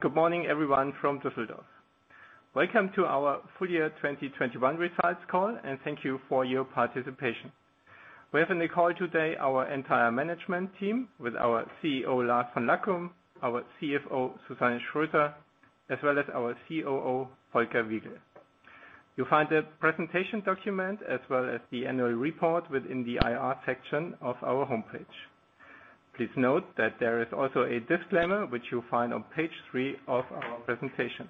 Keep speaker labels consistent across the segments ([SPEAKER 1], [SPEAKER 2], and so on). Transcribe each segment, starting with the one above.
[SPEAKER 1] Good morning, everyone from Düsseldorf. Welcome to our full year 2021 results call, and thank you for your participation. We have in the call today our entire management team with our CEO, Lars von Lackum, our CFO, Susanne Schröter-Crossan, as well as our COO, Volker Wiegel. You'll find the presentation document as well as the annual report within the IR section of our homepage. Please note that there is also a disclaimer, which you'll find on page three of our presentation.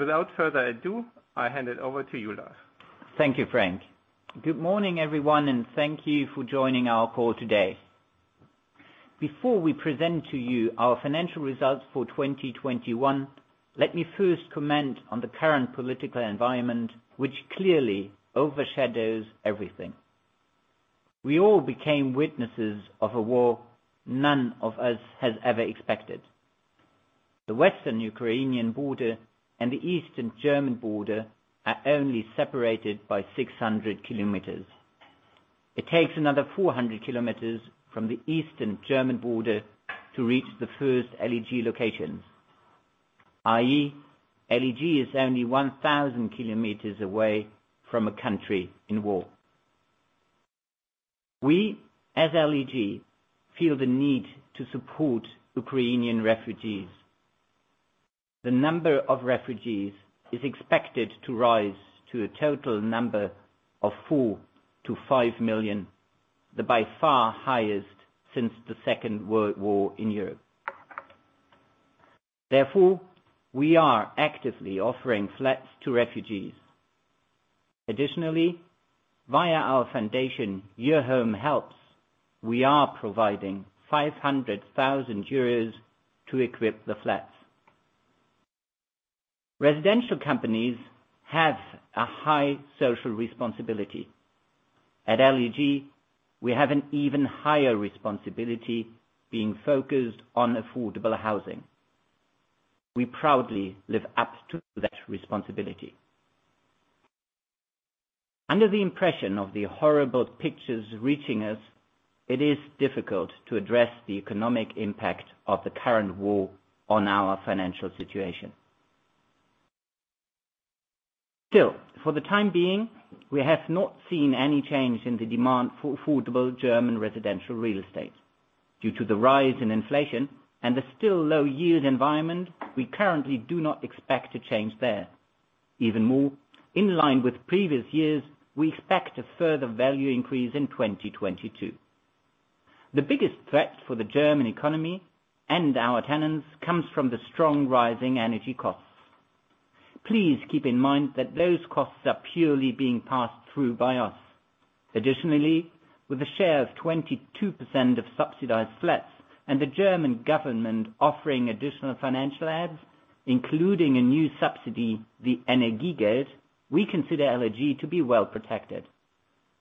[SPEAKER 1] Without further ado, I hand it over to you, Lars.
[SPEAKER 2] Thank you, Frank. Good morning, everyone, and thank you for joining our call today. Before we present to you our financial results for 2021, let me first comment on the current political environment, which clearly overshadows everything. We all became witnesses of a war none of us has ever expected. The Western Ukrainian border and the Eastern German border are only separated by 600 km. It takes another 400 km from the Eastern German border to reach the first LEG locations. i.e., LEG is only 1,000 km away from a country in war. We, as LEG, feel the need to support Ukrainian refugees. The number of refugees is expected to rise to a total number of 4-5 million, the by far highest since the Second World War in Europe. Therefore, we are actively offering flats to refugees. Additionally, via our foundation, Your Home Helps, we are providing 500 thousand euros to equip the flats. Residential companies have a high social responsibility. At LEG, we have an even higher responsibility being focused on affordable housing. We proudly live up to that responsibility. Under the impression of the horrible pictures reaching us, it is difficult to address the economic impact of the current war on our financial situation. Still, for the time being, we have not seen any change in the demand for affordable German residential real estate. Due to the rise in inflation and the still low yield environment, we currently do not expect a change there. Even more, in line with previous years, we expect a further value increase in 2022. The biggest threat for the German economy and our tenants comes from the strong rising energy costs. Please keep in mind that those costs are purely being passed through by us. Additionally, with a share of 22% of subsidized flats and the German government offering additional financial aids, including a new subsidy, the Energiegeld, we consider LEG to be well protected.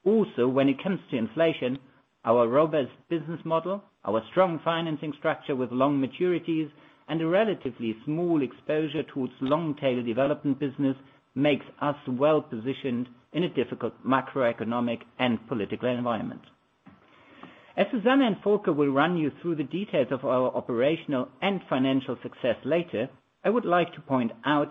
[SPEAKER 2] Also, when it comes to inflation, our robust business model, our strong financing structure with long maturities, and a relatively small exposure towards long-tail development business makes us well-positioned in a difficult macroeconomic and political environment. As Susanne and Volker will run you through the details of our operational and financial success later, I would like to point out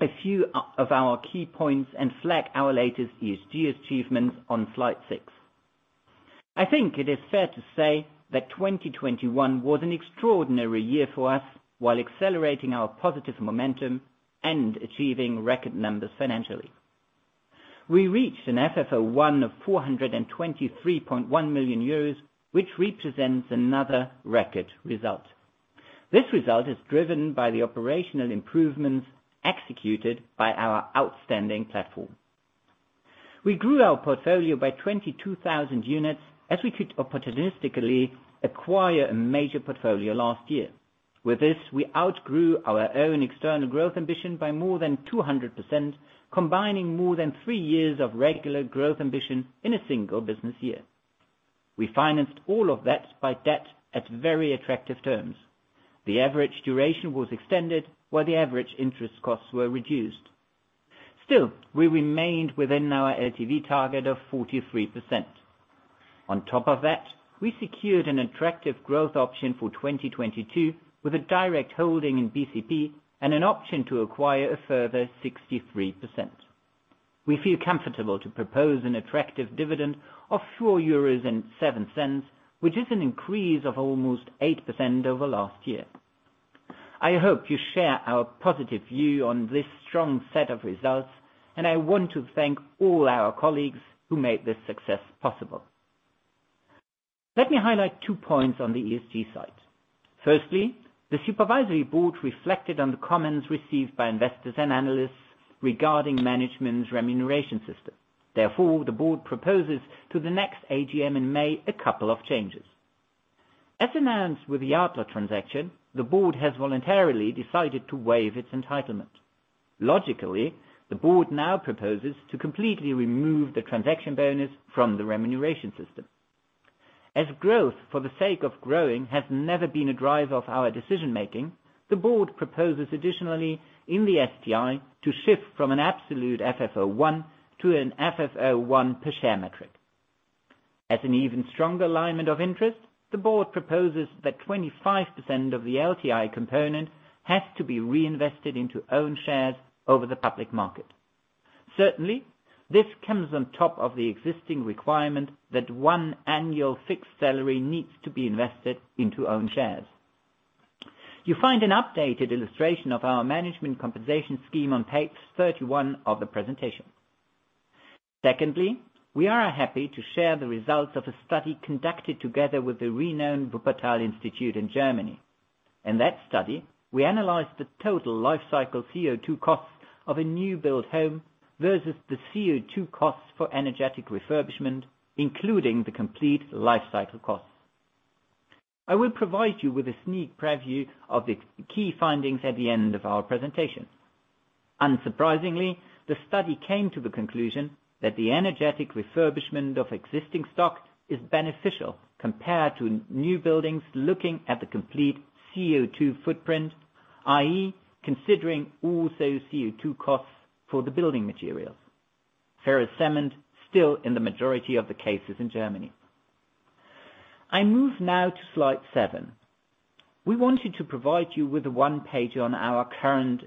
[SPEAKER 2] a few of our key points and flag our latest ESG achievements on slide six. I think it is fair to say that 2021 was an extraordinary year for us while accelerating our positive momentum and achieving record numbers financially. We reached an FFO I of 423.1 million euros, which represents another record result. This result is driven by the operational improvements executed by our outstanding platform. We grew our portfolio by 22,000 units as we could opportunistically acquire a major portfolio last year. With this, we outgrew our own external growth ambition by more than 200%, combining more than three years of regular growth ambition in a single business year. We financed all of that by debt at very attractive terms. The average duration was extended, while the average interest costs were reduced. Still, we remained within our LTV target of 43%. On top of that, we secured an attractive growth option for 2022 with a direct holding in BCP and an option to acquire a further 63%. We feel comfortable to propose an attractive dividend of 4.07 euros, which is an increase of almost 8% over last year. I hope you share our positive view on this strong set of results, and I want to thank all our colleagues who made this success possible. Let me highlight two points on the ESG side. Firstly, the supervisory board reflected on the comments received by investors and analysts regarding management's remuneration system. Therefore, the board proposes to the next AGM in May a couple of changes. As announced with the Adler transaction, the board has voluntarily decided to waive its entitlement. Logically, the board now proposes to completely remove the transaction bonus from the remuneration system. Growth, for the sake of growing, has never been a driver of our decision-making, the board proposes additionally in the STI to shift from an absolute FFO I to an FFO I per share metric. An even stronger alignment of interest, the board proposes that 25% of the LTI component has to be reinvested into own shares over the public market. Certainly, this comes on top of the existing requirement that one annual fixed salary needs to be invested into own shares. You find an updated illustration of our management compensation scheme on page 31 of the presentation. Secondly, we are happy to share the results of a study conducted together with the renowned Wuppertal Institute in Germany. In that study, we analyzed the total life cycle CO₂ costs of a new build home versus the CO₂ costs for energetic refurbishment, including the complete life cycle costs. I will provide you with a sneak preview of the key findings at the end of our presentation. Unsurprisingly, the study came to the conclusion that the energetic refurbishment of existing stock is beneficial compared to new buildings looking at the complete CO₂ footprint, i.e., considering also CO₂ costs for the building materials. Ferrocement still in the majority of the cases in Germany. I move now to slide seven. We wanted to provide you with a one-pager on our current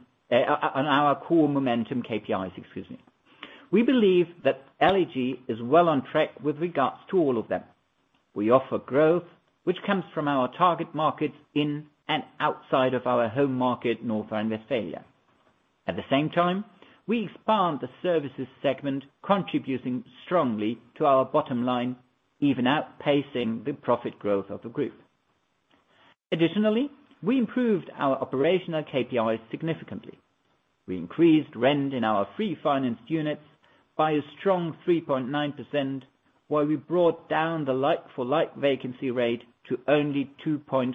[SPEAKER 2] core momentum KPIs, excuse me. We believe that LEG is well on track with regards to all of them. We offer growth, which comes from our target markets in and outside of our home market, North Rhine-Westphalia. At the same time, we expand the services segment, contributing strongly to our bottom line, even outpacing the profit growth of the group. Additionally, we improved our operational KPIs significantly. We increased rent in our free finance units by a strong 3.9%, while we brought down the like-for-like vacancy rate to only 2.3%.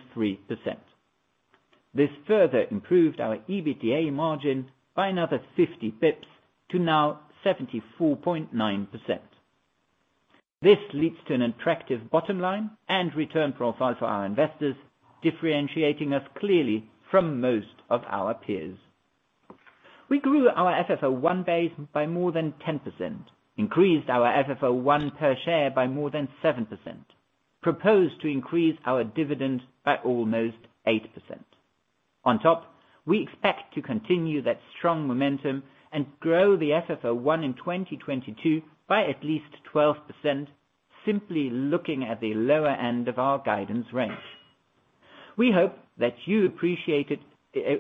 [SPEAKER 2] This further improved our EBITDA margin by another 50 bps to now 74.9%. This leads to an attractive bottom line and return profile for our investors, differentiating us clearly from most of our peers. We grew our FFO I base by more than 10%, increased our FFO I per share by more than 7%, proposed to increase our dividend by almost 8%. On top, we expect to continue that strong momentum and grow the FFO I in 2022 by at least 12%, simply looking at the lower end of our guidance range. We hope that you appreciated,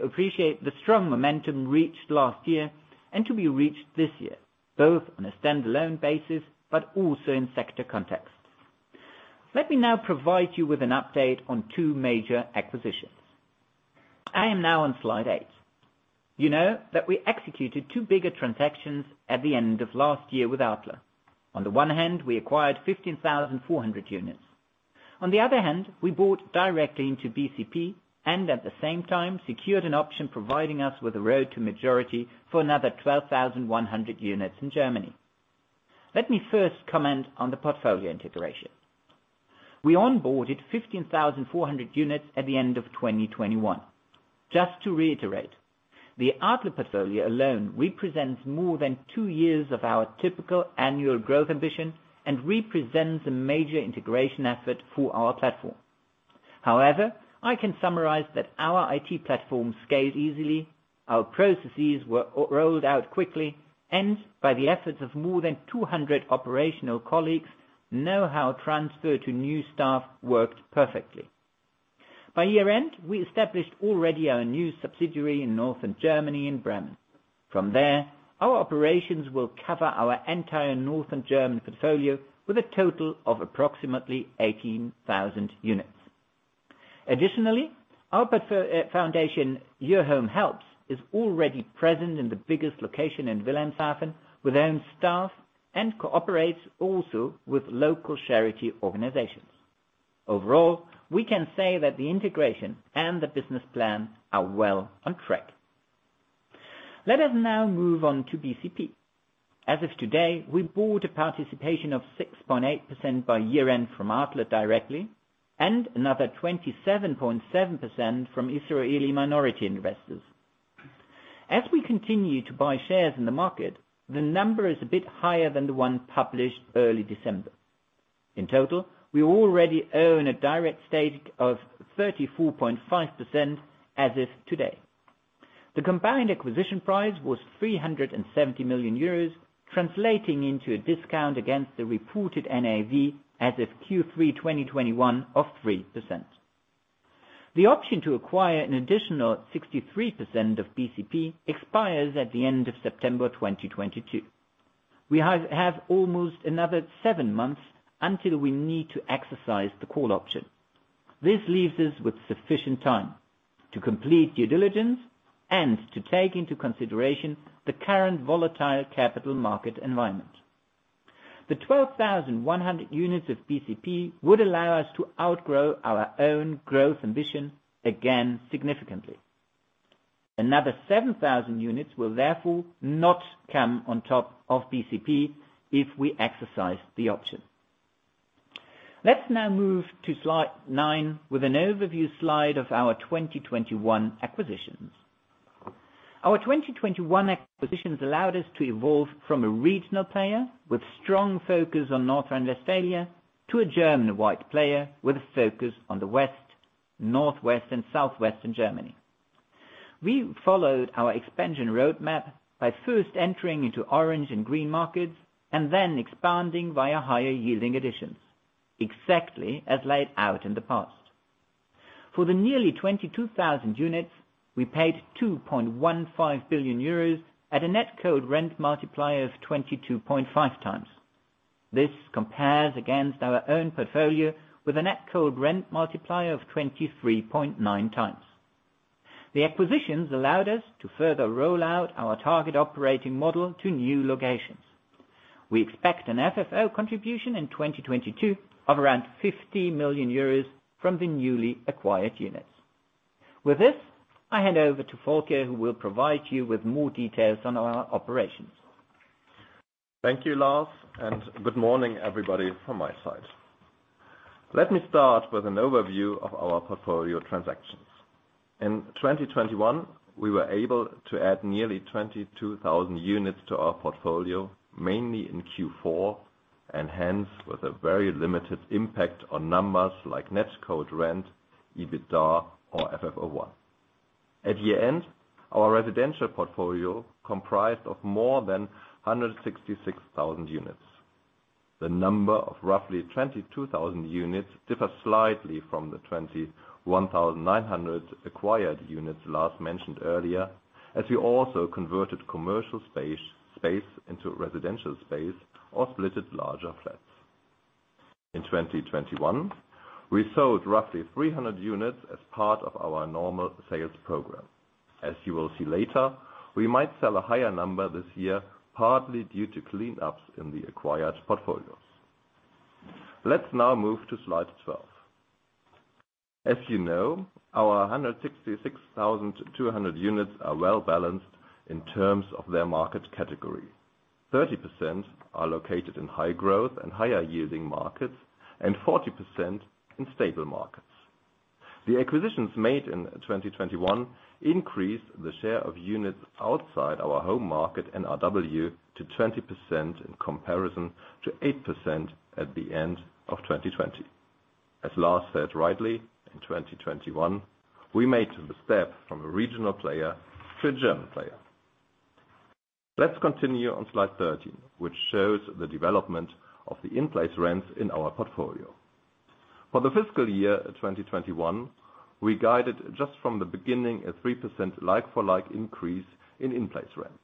[SPEAKER 2] appreciate the strong momentum reached last year and to be reached this year, both on a stand-alone basis but also in sector context. Let me now provide you with an update on two major acquisitions. I am now on slide eight. You know that we executed two bigger transactions at the end of last year with Adler. On the one hand, we acquired 15,400 units. On the other hand, we bought directly into BCP and at the same time secured an option providing us with a road to majority for another 12,100 units in Germany. Let me first comment on the portfolio integration. We onboarded 15,400 units at the end of 2021. Just to reiterate, the Adler portfolio alone represents more than two years of our typical annual growth ambition and represents a major integration effort for our platform. However, I can summarize that our IT platform scales easily, our processes were rolled out quickly, and by the efforts of more than 200 operational colleagues, know-how transfer to new staff worked perfectly. By year-end, we established already our new subsidiary in Northern Germany in Bremen. From there, our operations will cover our entire Northern German portfolio with a total of approximately 18,000 units. Additionally, our foundation, Your Home Helps, is already present in the biggest location in Wilhelmshaven with own staff and cooperates also with local charity organizations. Overall, we can say that the integration and the business plan are well on track. Let us now move on to BCP. As of today, we bought a participation of 6.8% by year-end from Adler directly and another 27.7% from Israeli minority investors. As we continue to buy shares in the market, the number is a bit higher than the one published early December. In total, we already own a direct stake of 34.5% as of today. The combined acquisition price was EUR 370 million, translating into a discount against the reported NAV as of Q3 2021 of 3%. The option to acquire an additional 63% of BCP expires at the end of September 2022. We have almost another seven months until we need to exercise the call option. This leaves us with sufficient time to complete due diligence and to take into consideration the current volatile capital market environment. The 12,100 units of BCP would allow us to outgrow our own growth ambition again significantly. Another 7,000 units will therefore not come on top of BCP if we exercise the option. Let's now move to slide nine with an overview slide of our 2021 acquisitions. Our 2021 acquisitions allowed us to evolve from a regional player with strong focus on North Rhine-Westphalia, to a German-wide player with a focus on the West, Northwest, and Southwestern Germany. We followed our expansion roadmap by first entering into orange and green markets, and then expanding via higher-yielding additions. Exactly as laid out in the past. For the nearly 22,000 units, we paid 2.15 billion euros at a net cold rent multiplier of 22.5x. This compares against our own portfolio with a net cold rent multiplier of 23.9x. The acquisitions allowed us to further roll out our target operating model to new locations. We expect an FFO contribution in 2022 of around 50 million euros from the newly acquired units. With this, I hand over to Volker, who will provide you with more details on our operations.
[SPEAKER 3] Thank you, Lars, and good morning everybody from my side. Let me start with an overview of our portfolio transactions. In 2021, we were able to add nearly 22,000 units to our portfolio, mainly in Q4, and hence, with a very limited impact on numbers like net cold rent, EBITDA, or FFO I. At year-end, our residential portfolio comprised of more than 166,000 units. The number of roughly 22,000 units differs slightly from the 21,900 acquired units Lars mentioned earlier, as we also converted commercial space into residential space or split larger flats. In 2021, we sold roughly 300 units as part of our normal sales program. As you will see later, we might sell a higher number this year, partly due to cleanups in the acquired portfolios. Let's now move to slide 12. As you know, our 166,200 units are well-balanced in terms of their market category. 30% are located in high growth and higher-yielding markets, and 40% in stable markets. The acquisitions made in 2021 increased the share of units outside our home market, NRW, to 20% in comparison to 8% at the end of 2020. As Lars said rightly, in 2021, we made the step from a regional player to a German player. Let's continue on slide 13, which shows the development of the in-place rents in our portfolio. For the fiscal year 2021, we guided just from the beginning, a 3% like-for-like increase in in-place rents.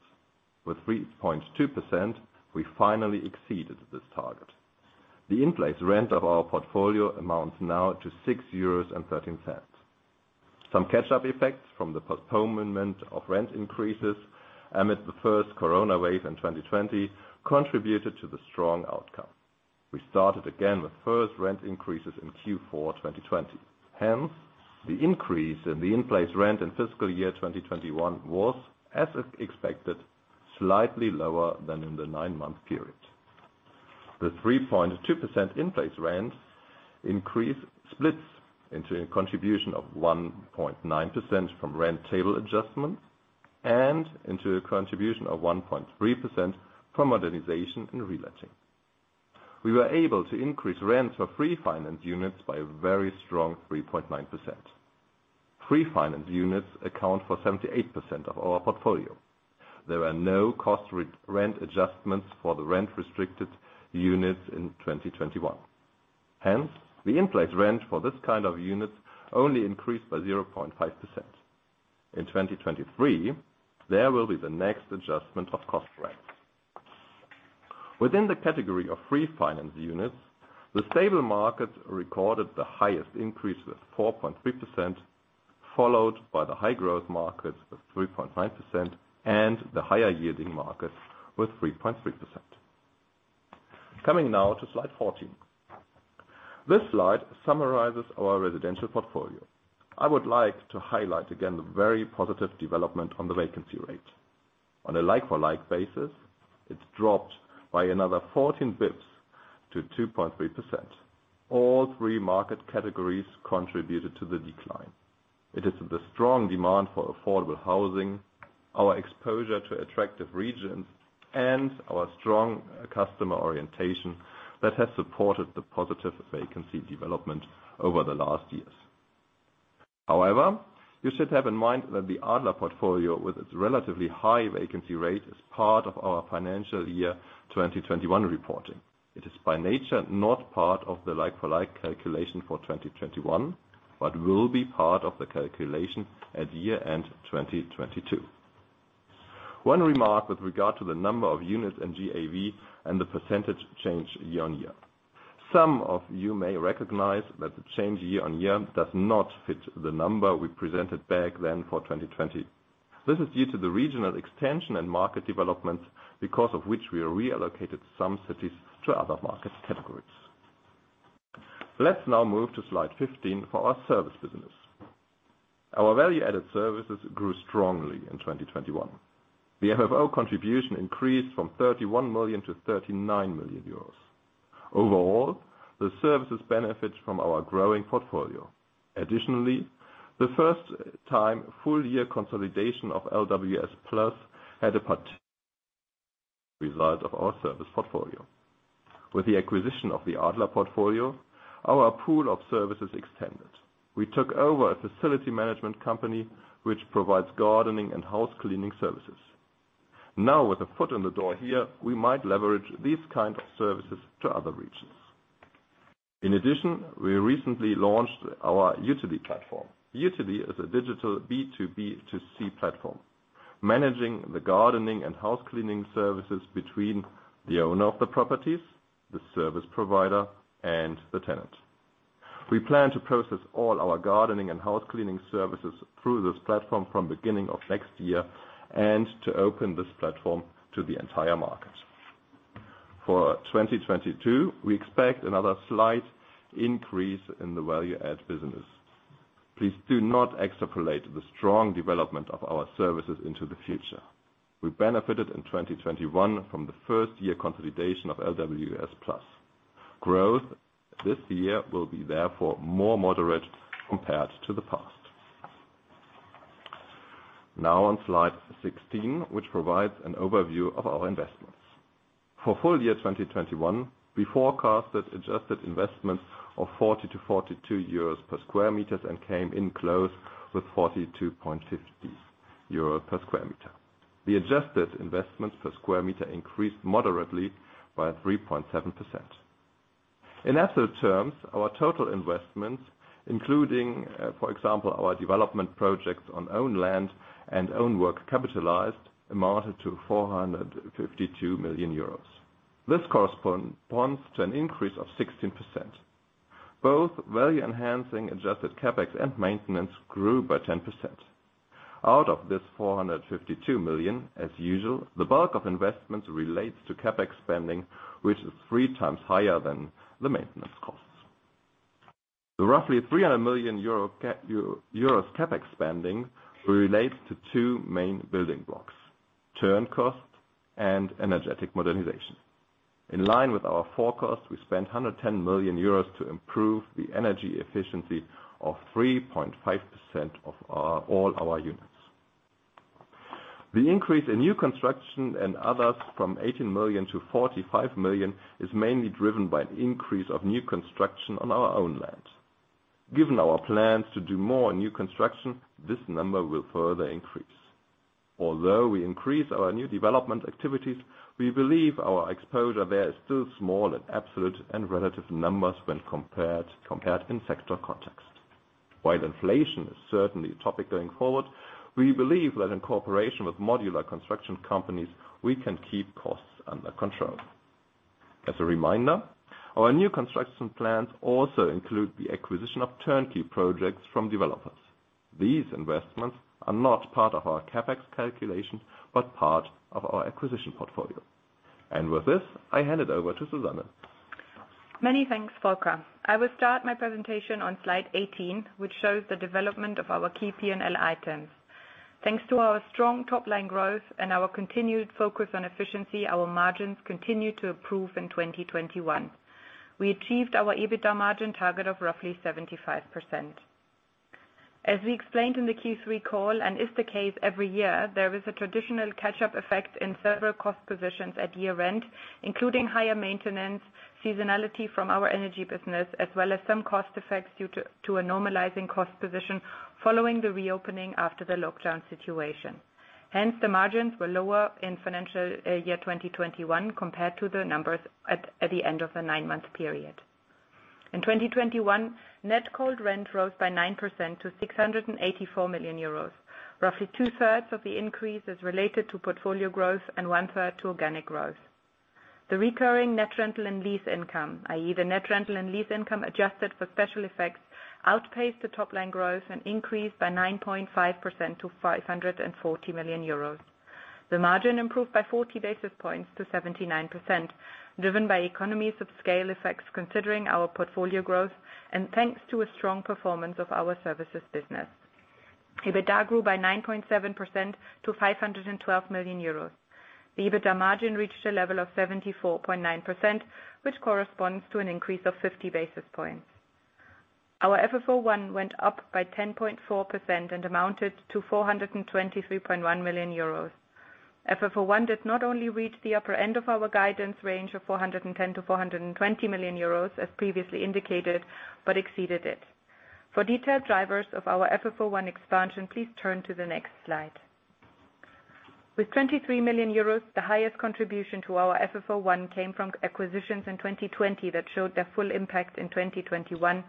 [SPEAKER 3] With 3.2%, we finally exceeded this target. The in-place rent of our portfolio amounts now to 6.13 euros. Some catch-up effects from the postponement of rent increases amid the first coronavirus in 2020 contributed to the strong outcome. We started again with first rent increases in Q4 2020. Hence, the increase in the in-place rent in fiscal year 2021 was, as expected, slightly lower than in the nine month period. The 3.2% in-place rent increase splits into a contribution of 1.9% from rent table adjustments and into a contribution of 1.3% from modernization and reletting. We were able to increase rent for free finance units by a very strong 3.9%. Free finance units account for 78% of our portfolio. There are no cost re-rent adjustments for the rent-restricted units in 2021. Hence, the in-place rent for this kind of units only increased by 0.5%. In 2023, there will be the next adjustment of cold rent. Within the category of free finance units, the stable market recorded the highest increase with 4.3%, followed by the high growth markets with 3.9% and the higher yielding markets with 3.3%. Coming now to slide 14. This slide summarizes our residential portfolio. I would like to highlight again the very positive development on the vacancy rate. On a like-for-like basis, it's dropped by another 14 basis points to 2.3%. All three market categories contributed to the decline. It is the strong demand for affordable housing, our exposure to attractive regions, and our strong customer orientation that has supported the positive vacancy development over the last years. However, you should have in mind that the Adler portfolio with its relatively high vacancy rate is part of our financial year 2021 reporting. It is by nature, not part of the like-for-like calculation for 2021, but will be part of the calculation at year-end 2022. One remark with regard to the number of units in GAV and the year-on-year percentage change. Some of you may recognize that the year-on-year change does not fit the number we presented back then for 2020. This is due to the regional extension and market development because of which we reallocated some cities to other market categories. Let's now move to slide 15 for our service business. Our value-added services grew strongly in 2021. The FFO contribution increased from 31 million-39 million euros. Overall, the services benefit from our growing portfolio. Additionally, the first time full year consolidation of LWS Plus had a part result of our service portfolio. With the acquisition of the Adler portfolio, our pool of services extended. We took over a facility management company which provides gardening and housecleaning services. Now with a foot in the door here, we might leverage these kind of services to other regions. In addition, we recently launched our Youtilly platform. Youtilly is a digital B2B to C platform, managing the gardening and housecleaning services between the owner of the properties, the service provider, and the tenant. We plan to process all our gardening and housecleaning services through this platform from beginning of next year, and to open this platform to the entire market. For 2022, we expect another slight increase in the value-add business. Please do not extrapolate the strong development of our services into the future. We benefited in 2021 from the first year consolidation of LWS Plus. Growth this year will be therefore more moderate compared to the past. Now on slide 16, which provides an overview of our investments. For full year 2021, we forecasted adjusted investments of 40-42 euros per sq m, and came in close with 42.50 euros per sq m. The adjusted investments per square meter increased moderately by 3.7%. In absolute terms, our total investments, including, for example, our development projects on own land and own work capitalized, amounted to 452 million euros. This corresponds to an increase of 16%. Both value enhancing adjusted CapEx and maintenance grew by 10%. Out of this 452 million, as usual, the bulk of investments relates to CapEx spending, which is three times higher than the maintenance costs. The roughly EUR 300 million CapEx spending relates to two main building blocks, turn costs and energy modernization. In line with our forecast, we spent 110 million euros to improve the energy efficiency of 3.5% of all our units. The increase in new construction and others from 18 million-45 million is mainly driven by an increase of new construction on our own land. Given our plans to do more new construction, this number will further increase. Although we increase our new development activities, we believe our exposure there is still small in absolute and relative numbers when compared in sector context. While inflation is certainly a topic going forward, we believe that in cooperation with modular construction companies, we can keep costs under control. As a reminder, our new construction plans also include the acquisition of turnkey projects from developers. These investments are not part of our CapEx calculation, but part of our acquisition portfolio. With this, I hand it over to Susanne.
[SPEAKER 4] Many thanks, Volker. I will start my presentation on slide 18, which shows the development of our key P&L items. Thanks to our strong top-line growth and our continued focus on efficiency, our margins continued to improve in 2021. We achieved our EBITDA margin target of roughly 75%. As we explained in the Q3 call, and as is the case every year, there is a traditional catch-up effect in several cost positions at year-end, including higher maintenance, seasonality from our energy business, as well as some cost effects due to a normalizing cost position following the reopening after the lockdown situation. Hence, the margins were lower in financial year 2021 compared to the numbers at the end of the nine month period. In 2021, net cold rent rose by 9% to 684 million euros. Roughly two-thirds of the increase is related to portfolio growth and one-third to organic growth. The recurring net rental and lease income, i.e., the net rental and lease income adjusted for special effects, outpaced the top-line growth and increased by 9.5% to 540 million euros. The margin improved by 40 basis points to 79%, driven by economies of scale effects considering our portfolio growth and thanks to a strong performance of our services business. EBITDA grew by 9.7% to 512 million euros. The EBITDA margin reached a level of 74.9%, which corresponds to an increase of 50 basis points. Our FFO I went up by 10.4% and amounted to 423.1 million euros. FFO I did not only reach the upper end of our guidance range of 410 million-420 million euros, as previously indicated, but exceeded it. For detailed drivers of our FFO I expansion, please turn to the next slide. With EUR 23 million, the highest contribution to our FFO I came from acquisitions in 2020 that showed their full impact in 2021,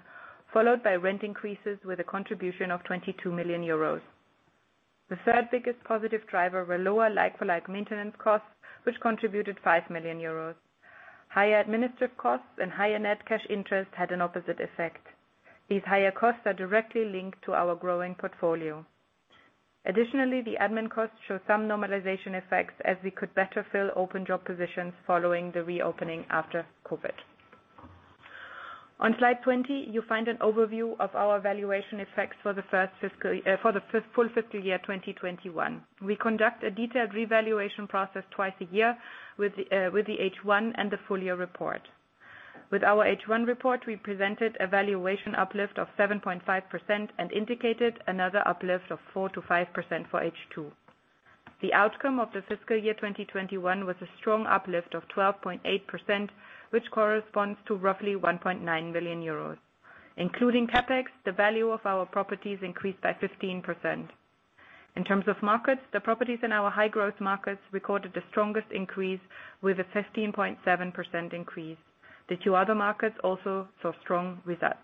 [SPEAKER 4] followed by rent increases with a contribution of 22 million euros. The third biggest positive driver were lower like-for-like maintenance costs, which contributed 5 million euros. Higher administrative costs and higher net cash interest had an opposite effect. These higher costs are directly linked to our growing portfolio. Additionally, the admin costs show some normalization effects as we could better fill open job positions following the reopening after COVID. On slide 20, you find an overview of our valuation effects for the first full fiscal year 2021. We conduct a detailed revaluation process twice a year with the H1 and the full-year report. With our H1 report, we presented a valuation uplift of 7.5% and indicated another uplift of 4%-5% for H2. The outcome of the fiscal year 2021 was a strong uplift of 12.8%, which corresponds to roughly 1.9 billion euros. Including CapEx, the value of our properties increased by 15%. In terms of markets, the properties in our high growth markets recorded the strongest increase with a 15.7% increase. The two other markets also saw strong results.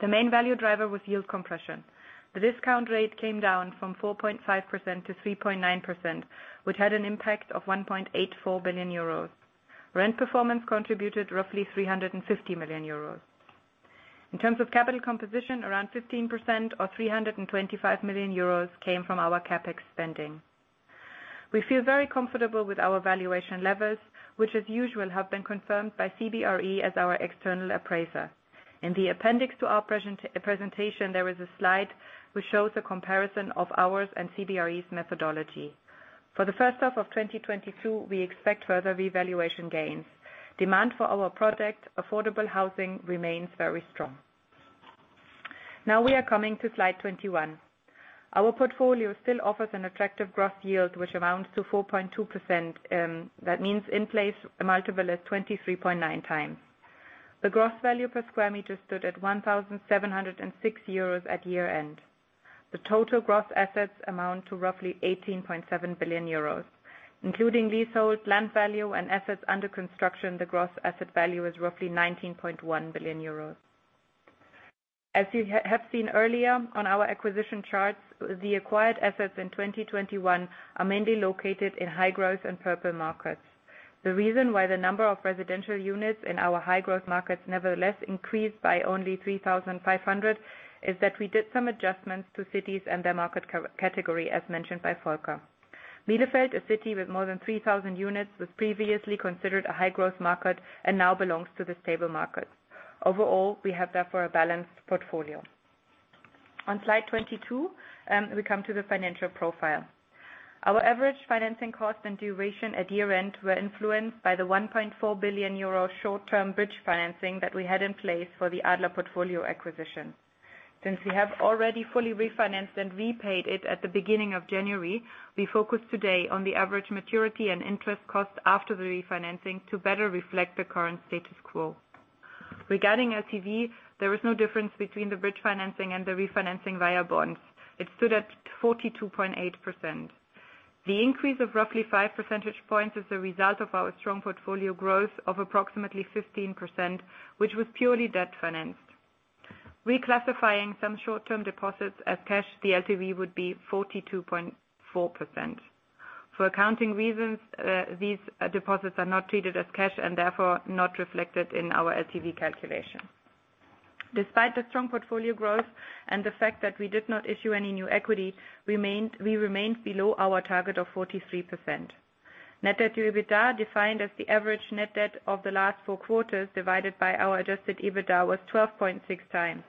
[SPEAKER 4] The main value driver was yield compression. The discount rate came down from 4.5%-3.9%, which had an impact of 1.84 billion euros. Rent performance contributed roughly 350 million euros. In terms of capital composition, around 15% or 325 million euros came from our CapEx spending. We feel very comfortable with our valuation levels, which as usual have been confirmed by CBRE as our external appraiser. In the appendix to our presentation, there is a slide which shows a comparison of ours and CBRE's methodology. For the first half of 2022, we expect further revaluation gains. Demand for our product, affordable housing remains very strong. Now we are coming to slide 21. Our portfolio still offers an attractive gross yield, which amounts to 4.2%, that means in place a multiple of 23.9x. The gross value per square meter stood at 1,706 euros at year-end. The total gross assets amount to roughly 18.7 billion euros, including leasehold, land value and assets under construction, the gross asset value is roughly 19.1 billion euros. As you have seen earlier on our acquisition charts, the acquired assets in 2021 are mainly located in high growth and prime markets. The reason why the number of residential units in our high growth markets nevertheless increased by only 3,500 is that we did some adjustments to cities and their market category as mentioned by Volker. Bielefeld, a city with more than 3,000 units, was previously considered a high growth market and now belongs to the stable market. Overall, we have therefore a balanced portfolio. On slide 22, we come to the financial profile. Our average financing cost and duration at year-end were influenced by the 1.4 billion euro short-term bridge financing that we had in place for the Adler portfolio acquisition. Since we have already fully refinanced and repaid it at the beginning of January, we focus today on the average maturity and interest cost after the refinancing to better reflect the current status quo. Regarding LTV, there is no difference between the bridge financing and the refinancing via bonds. It stood at 42.8%. The increase of roughly five percentage points is a result of our strong portfolio growth of approximately 15%, which was purely debt financed. Reclassifying some short-term deposits as cash, the LTV would be 42.4%. For accounting reasons, these deposits are not treated as cash and therefore not reflected in our LTV calculation. Despite the strong portfolio growth and the fact that we did not issue any new equity, we remained below our target of 43%. Net debt to EBITDA, defined as the average net debt of the last four quarters, divided by our adjusted EBITDA, was 12.6 times.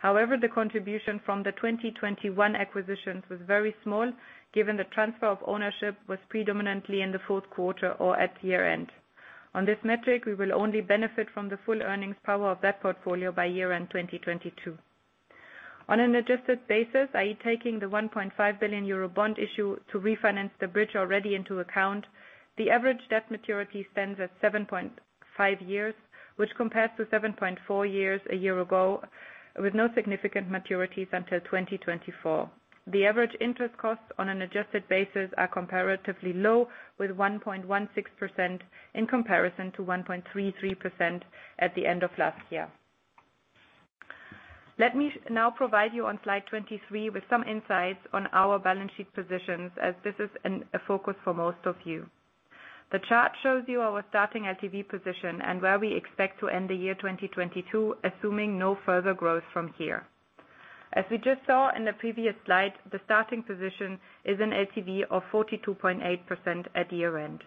[SPEAKER 4] However, the contribution from the 2021 acquisitions was very small, given the transfer of ownership was predominantly in the fourth quarter or at year-end. On this metric, we will only benefit from the full earnings power of that portfolio by year-end 2022. On an adjusted basis, i.e., taking the 1.5 billion euro bond issue to refinance the bridge already into account, the average debt maturity stands at 7.5 years, which compares to 7.4 years a year ago, with no significant maturities until 2024. The average interest costs on an adjusted basis are comparatively low, with 1.16% in comparison to 1.33% at the end of last year. Let me now provide you on slide 23 with some insights on our balance sheet positions as this is a focus for most of you. The chart shows you our starting LTV position and where we expect to end the year 2022, assuming no further growth from here. As we just saw in the previous slide, the starting position is an LTV of 42.8% at year-end.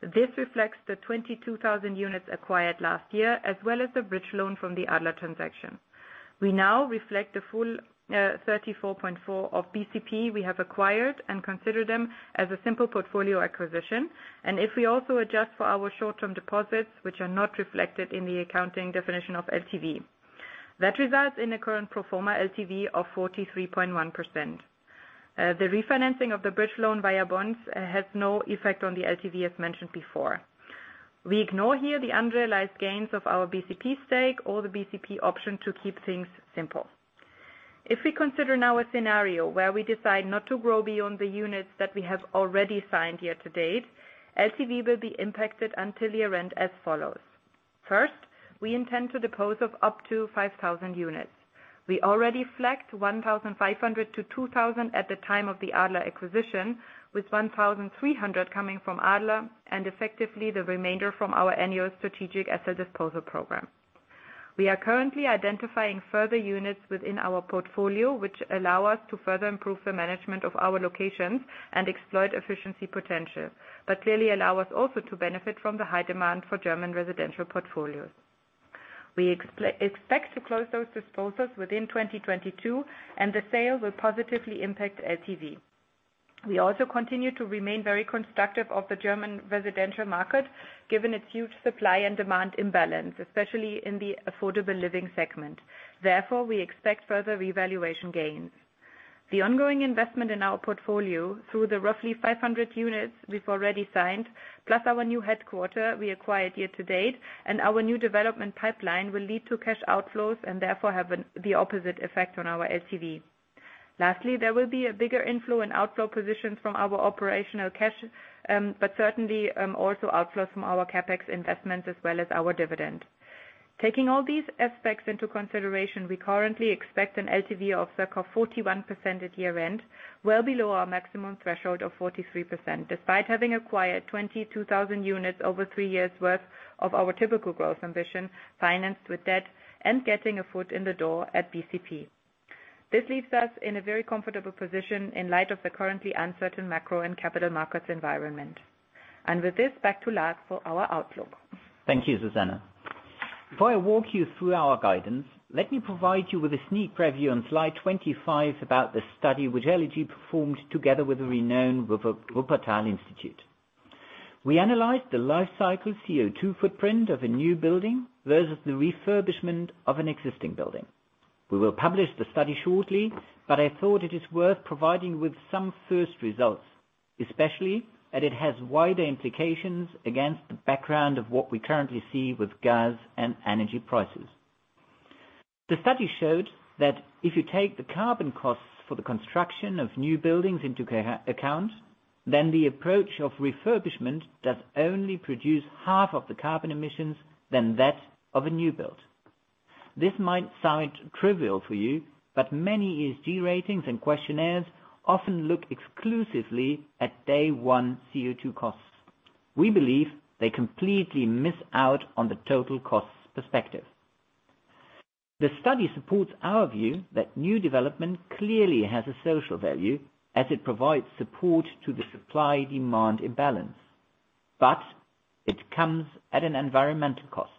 [SPEAKER 4] This reflects the 22,000 units acquired last year, as well as the bridge loan from the Adler transaction. We now reflect the full, 34.4 of BCP we have acquired and consider them as a simple portfolio acquisition. If we also adjust for our short-term deposits, which are not reflected in the accounting definition of LTV, that results in a current pro forma LTV of 43.1%. The refinancing of the bridge loan via bonds has no effect on the LTV as mentioned before. We ignore here the unrealized gains of our BCP stake or the BCP option to keep things simple. If we consider now a scenario where we decide not to grow beyond the units that we have already signed year to date, LTV will be impacted until year-end as follows. First, we intend to dispose of up to 5,000 units. We already flagged 1,500-2,000 at the time of the Adler acquisition, with 1,300 coming from Adler and effectively the remainder from our annual strategic asset disposal program. We are currently identifying further units within our portfolio, which allow us to further improve the management of our locations and exploit efficiency potential, but clearly allow us also to benefit from the high demand for German residential portfolios. We expect to close those disposals within 2022, and the sale will positively impact LTV. We also continue to remain very constructive of the German residential market, given its huge supply and demand imbalance, especially in the affordable living segment. Therefore, we expect further revaluation gains. The ongoing investment in our portfolio through the roughly 500 units we've already signed, plus our new headquarters we acquired year to date, and our new development pipeline will lead to cash outflows and therefore have the opposite effect on our LTV. Lastly, there will be a bigger inflow and outflow positions from our operational cash, but certainly, also outflows from our CapEx investments as well as our dividend. Taking all these aspects into consideration, we currently expect an LTV of circa 41% at year-end, well below our maximum threshold of 43%, despite having acquired 22,000 units over three years worth of our typical growth ambition, financed with debt and getting a foot in the door at BCP. This leaves us in a very comfortable position in light of the currently uncertain macro and capital markets environment. With this, back to Lars for our outlook.
[SPEAKER 2] Thank you, Susanne. Before I walk you through our guidance, let me provide you with a sneak preview on slide 25 about the study which LEG performed together with the renowned Wuppertal Institute. We analyzed the life cycle CO2 footprint of a new building versus the refurbishment of an existing building. We will publish the study shortly, but I thought it is worth providing you with some first results, especially as it has wider implications against the background of what we currently see with gas and energy prices. The study showed that if you take the carbon costs for the construction of new buildings into account, then the approach of refurbishment does only produce half of the carbon emissions than that of a new build. This might sound trivial to you, but many ESG ratings and questionnaires often look exclusively at day one CO2 costs. We believe they completely miss out on the total costs perspective. The study supports our view that new development clearly has a social value as it provides support to the supply/demand imbalance, but it comes at an environmental cost.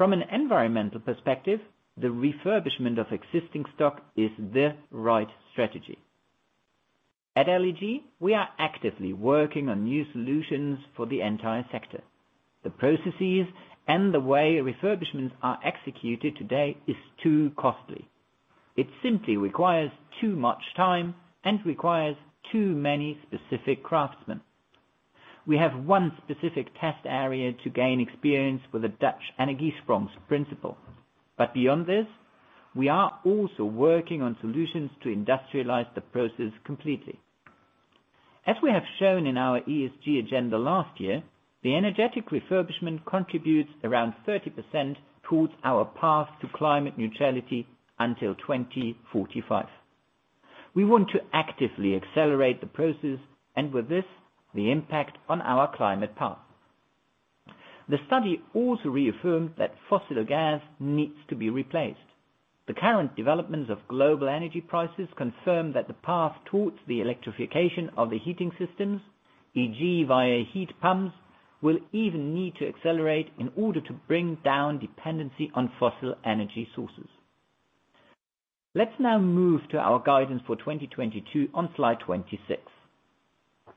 [SPEAKER 2] From an environmental perspective, the refurbishment of existing stock is the right strategy. At LEG, we are actively working on new solutions for the entire sector. The processes and the way refurbishments are executed today is too costly. It simply requires too much time and requires too many specific craftsmen. We have one specific test area to gain experience with the Dutch Energiesprong principle. Beyond this, we are also working on solutions to industrialize the process completely. As we have shown in our ESG agenda last year, the energetic refurbishment contributes around 30% towards our path to climate neutrality until 2045. We want to actively accelerate the process and, with this, the impact on our climate path. The study also reaffirmed that fossil gas needs to be replaced. The current developments of global energy prices confirm that the path towards the electrification of the heating systems, e.g., via heat pumps, will even need to accelerate in order to bring down dependency on fossil energy sources. Let's now move to our guidance for 2022 on slide 26.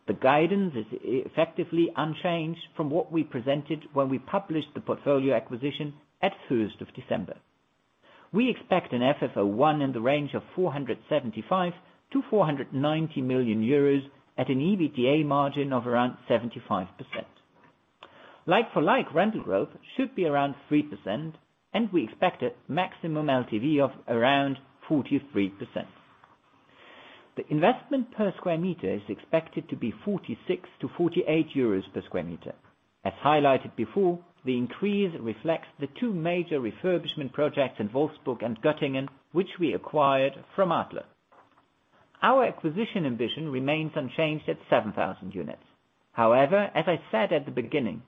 [SPEAKER 2] The guidance is effectively unchanged from what we presented when we published the portfolio acquisition at the 1st of December. We expect an FFO I in the range of 475 million-490 million euros at an EBITDA margin of around 75%. Like-for-like rental growth should be around 3%, and we expect a maximum LTV of around 43%. The investment per square meter is expected to be 46-48 euros per sq m. As highlighted before, the increase reflects the two major refurbishment projects in Wolfsburg and Göttingen, which we acquired from Adler. Our acquisition ambition remains unchanged at 7,000 units. However, as I said at the beginning,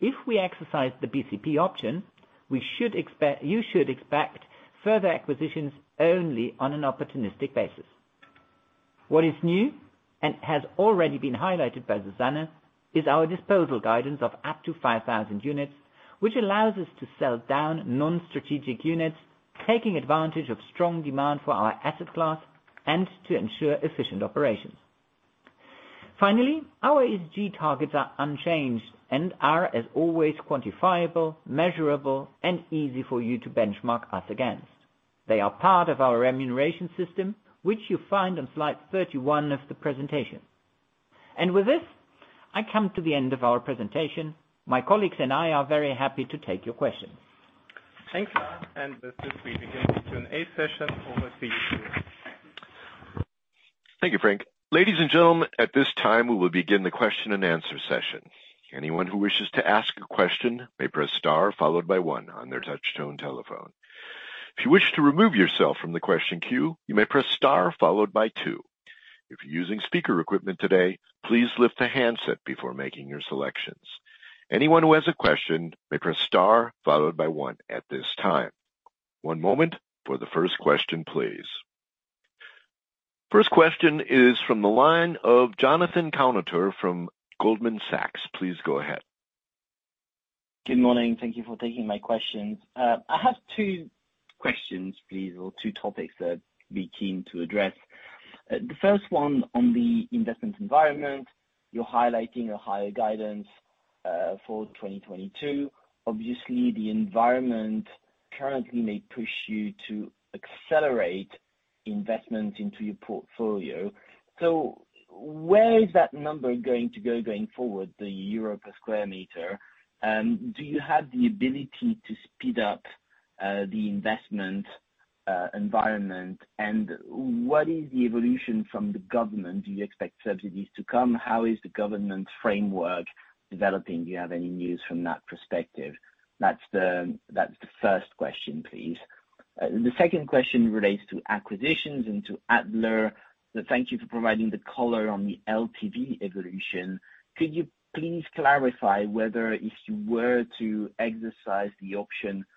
[SPEAKER 2] if we exercise the BCP option, you should expect further acquisitions only on an opportunistic basis. What is new, and has already been highlighted by Susanne, is our disposal guidance of up to 5,000 units, which allows us to sell down non-strategic units, taking advantage of strong demand for our asset class and to ensure efficient operations. Finally, our ESG targets are unchanged and are, as always, quantifiable, measurable, and easy for you to benchmark us against. They are part of our remuneration system, which you find on slide 31 of the presentation. With this, I come to the end of our presentation. My colleagues and I are very happy to take your questions.
[SPEAKER 1] Thanks, Lars. With this, we begin a Q&A session. Over to you.
[SPEAKER 5] Thank you, Frank. Ladies and gentlemen, at this time, we will begin the question and answer session. Anyone who wishes to ask a question may press star followed by one on their touchtone telephone. If you wish to remove yourself from the question queue, you may press star followed by two. If you're using speaker equipment today, please lift the handset before making your selections. Anyone who has a question may press star followed by one at this time. One moment for the first question, please. First question is from the line of Jonathan Kownator from Goldman Sachs. Please go ahead.
[SPEAKER 6] Good morning. Thank you for taking my questions. I have two questions, please, or two topics that I'd be keen to address. The first one on the investment environment, you're highlighting a higher guidance for 2022. Obviously, the environment currently may push you to accelerate investment into your portfolio. Where is that number going to go going forward, the Euro per square meter? Do you have the ability to speed up the investment environment? What is the evolution from the government? Do you expect subsidies to come? How is the government framework developing? Do you have any news from that perspective? That's the first question, please. The second question relates to acquisitions into Adler. Thank you for providing the color on the LTV evolution. Could you please clarify whether if you were to exercise the option for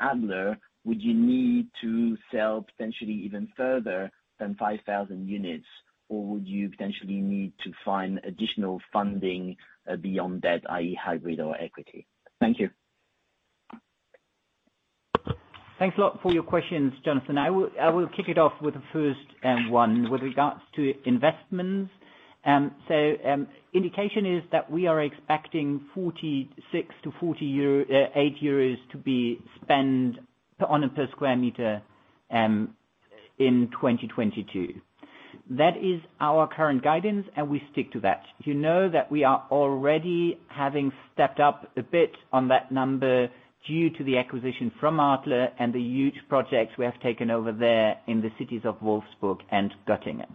[SPEAKER 6] Adler, would you need to sell potentially even further than 5,000 units, or would you potentially need to find additional funding beyond that, i.e., hybrid or equity? Thank you.
[SPEAKER 2] Thanks a lot for your questions, Jonathan. I will kick it off with the first one with regards to investments. So, indication is that we are expecting 46-48 euros to be spent per square meter in 2022. That is our current guidance, and we stick to that. You know that we are already having stepped up a bit on that number due to the acquisition from Adler and the huge projects we have taken over there in the cities of Wolfsburg and Göttingen.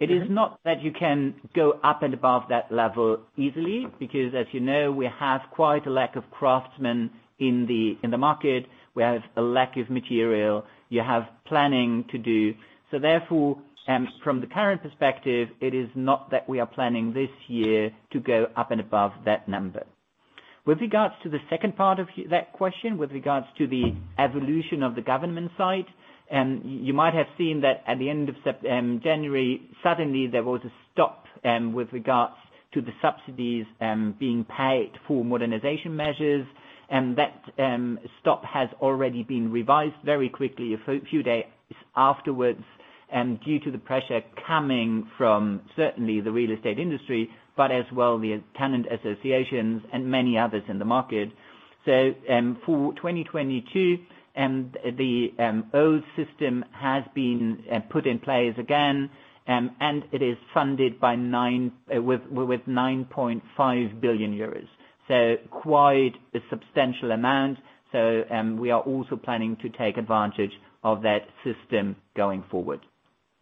[SPEAKER 2] It is not that you can go up and above that level easily because as you know, we have quite a lack of craftsmen in the market. We have a lack of material. We have planning to do. From the current perspective, it is not that we are planning this year to go up and above that number. With regards to the second part of that question, with regards to the evolution of the government side, you might have seen that at the end of January, suddenly there was a stop with regards to the subsidies being paid for modernization measures. That stop has already been revised very quickly a few days afterwards due to the pressure coming from certainly the real estate industry, but as well the tenant associations and many others in the market. For 2022, the old system has been put in place again and it is funded with 9.5 billion euros. Quite a substantial amount. We are also planning to take advantage of that system going forward.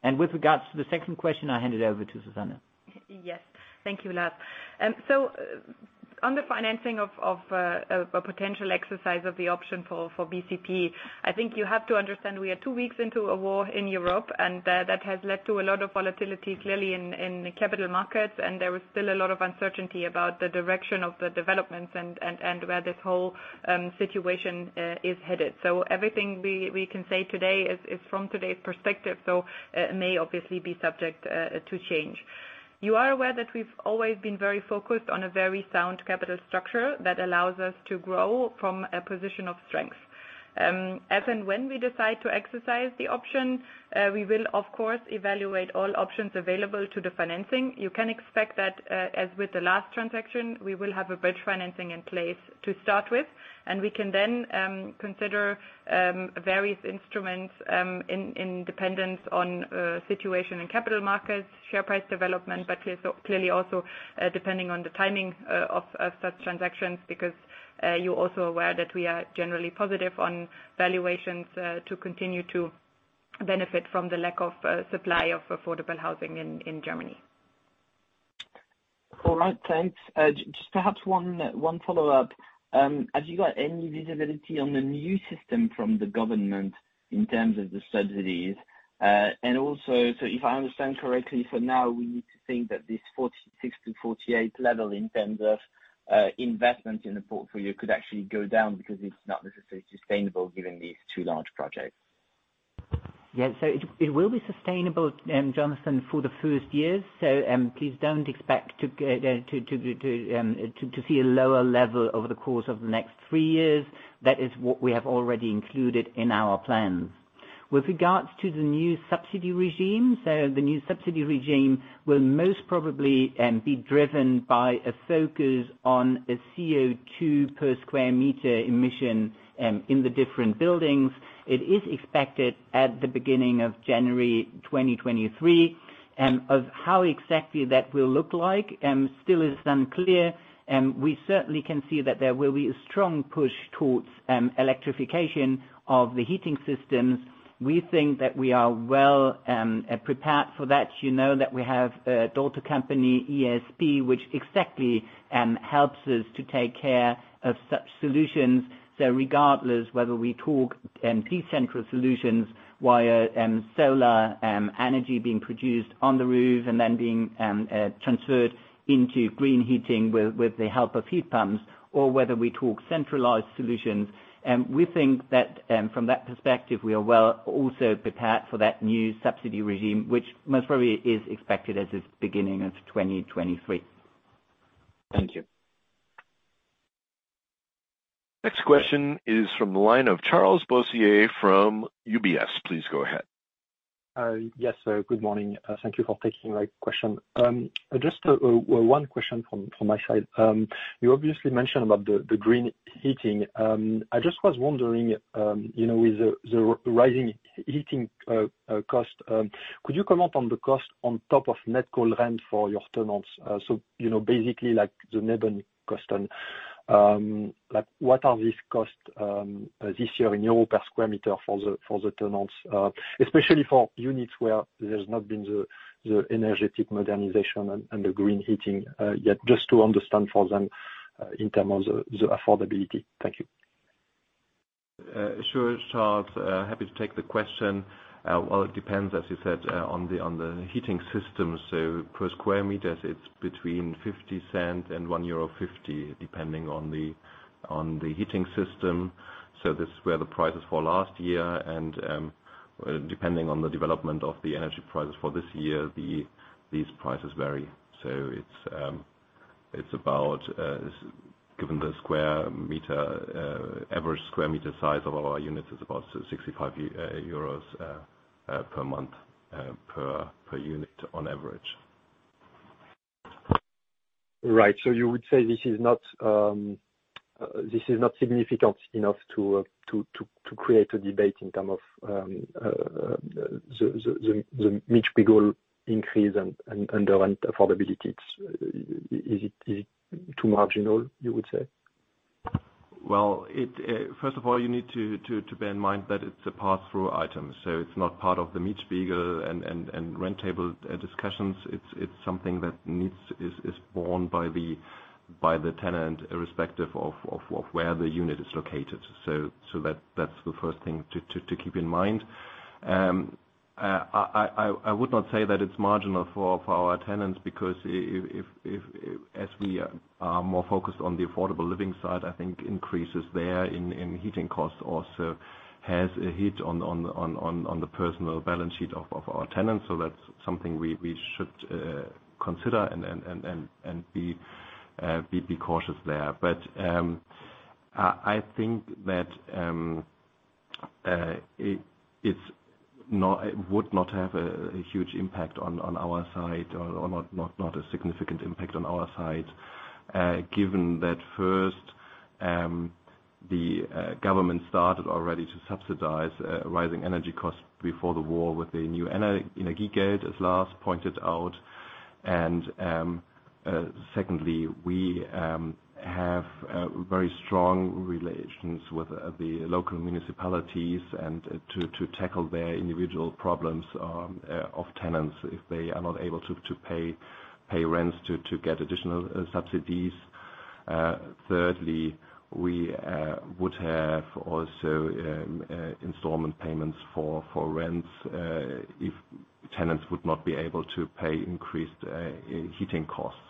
[SPEAKER 2] With regards to the second question, I hand it over to Susanne.
[SPEAKER 4] Yes. Thank you, Lars. On the financing of a potential exercise of the option for BCP, I think you have to understand we are two weeks into a war in Europe, and that has led to a lot of volatility clearly in the capital markets, and there is still a lot of uncertainty about the direction of the developments and where this whole situation is headed. Everything we can say today is from today's perspective, may obviously be subject to change. You are aware that we've always been very focused on a very sound capital structure that allows us to grow from a position of strength. As and when we decide to exercise the option, we will of course evaluate all options available to the financing. You can expect that, as with the last transaction, we will have a bridge financing in place to start with, and we can then consider various instruments dependent on the situation in capital markets, share price development, but clearly also depending on the timing of such transactions, because you're also aware that we are generally positive on valuations to continue to benefit from the lack of supply of affordable housing in Germany.
[SPEAKER 6] All right, thanks. Just perhaps one follow-up. Have you got any visibility on the new system from the government in terms of the subsidies? If I understand correctly, for now, we need to think that this 46-48 level in terms of investment in the portfolio could actually go down because it's not necessarily sustainable given these two large projects.
[SPEAKER 2] It will be sustainable, Jonathan, for the first years. Please don't expect to see a lower level over the course of the next three years. That is what we have already included in our plans. With regards to the new subsidy regime, the new subsidy regime will most probably be driven by a focus on a CO2 per square meter emission in the different buildings. It is expected at the beginning of January 2023. Of how exactly that will look like still is unclear. We certainly can see that there will be a strong push towards electrification of the heating systems. We think that we are well prepared for that. You know that we have a daughter company, ESP, which exactly helps us to take care of such solutions. Regardless whether we talk decentral solutions via solar energy being produced on the roof and then being transferred into green heating with the help of heat pumps, or whether we talk centralized solutions, we think that from that perspective, we are well also prepared for that new subsidy regime, which most probably is expected as it's beginning of 2023.
[SPEAKER 6] Thank you.
[SPEAKER 5] Next question is from the line of Charles Boissier from UBS. Please go ahead.
[SPEAKER 7] Yes, good morning. Thank you for taking my question. Just, well, one question from my side. You obviously mentioned about the green heating. I just was wondering, you know, with the rising heating cost, could you comment on the cost on top of net cold rent for your tenants? You know, basically like the Nebenkosten. Like what are these costs, this year in Euro per square meter for the tenants, especially for units where there's not been the energy modernization and the green heating yet. Just to understand for them, in terms of the affordability. Thank you.
[SPEAKER 3] Sure, Charles. Happy to take the question. Well, it depends, as you said, on the heating system. Per square meter, it's between 0.50 EUR and 1.50 euro, depending on the heating system. This is what the price is for last year and, depending on the development of the energy prices for this year, these prices vary. It's about, given the square meter, average square meter size of our units is about 65 euros per month per unit on average.
[SPEAKER 7] Right. You would say this is not significant enough to create a debate in terms of the Mietspiegel increase and the rent affordability. Is it too marginal, you would say?
[SPEAKER 3] Well, first of all, you need to bear in mind that it's a pass-through item, so it's not part of the Mietspiegel and rent table discussions. It's something that is borne by the tenant, irrespective of where the unit is located. So that's the first thing to keep in mind. I would not say that it's marginal for our tenants because as we are more focused on the affordable living side, I think increases there in heating costs also has a hit on the personal balance sheet of our tenants. So that's something we should consider and be cautious there. I think that it's not. It would not have a huge impact on our side or not a significant impact on our side. Given that first, the government started already to subsidize rising energy costs before the war with the new Energiegeld, as Lars pointed out. Secondly, we have very strong relations with the local municipalities and to tackle their individual problems of tenants if they are not able to pay rents to get additional subsidies. Thirdly, we would have also installment payments for rents if tenants would not be able to pay increased heating costs.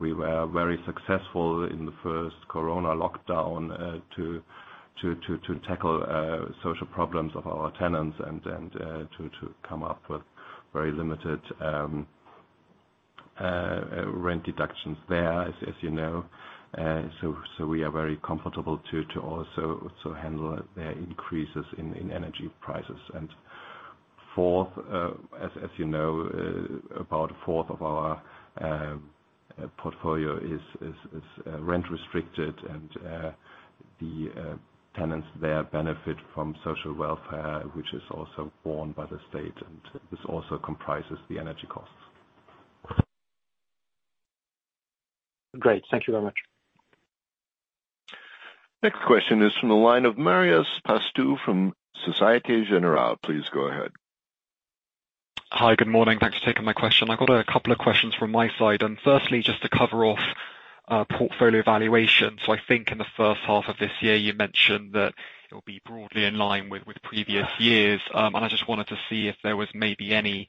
[SPEAKER 3] We were very successful in the first Corona lockdown to tackle social problems of our tenants and to come up with very limited rent deductions there, as you know. We are very comfortable to also handle the increases in energy prices. Fourth, as you know, about a fourth of our portfolio is rent-restricted and the tenants there benefit from social welfare, which is also borne by the state, and this also comprises the energy costs.
[SPEAKER 7] Great. Thank you very much.
[SPEAKER 5] Next question is from the line of Marios Pastou from Société Générale. Please go ahead.
[SPEAKER 8] Hi. Good morning. Thanks for taking my question. I've got a couple of questions from my side. First, just to cover off, portfolio valuation. I think in the first half of this year you mentioned that it'll be broadly in line with previous years. I just wanted to see if there was maybe any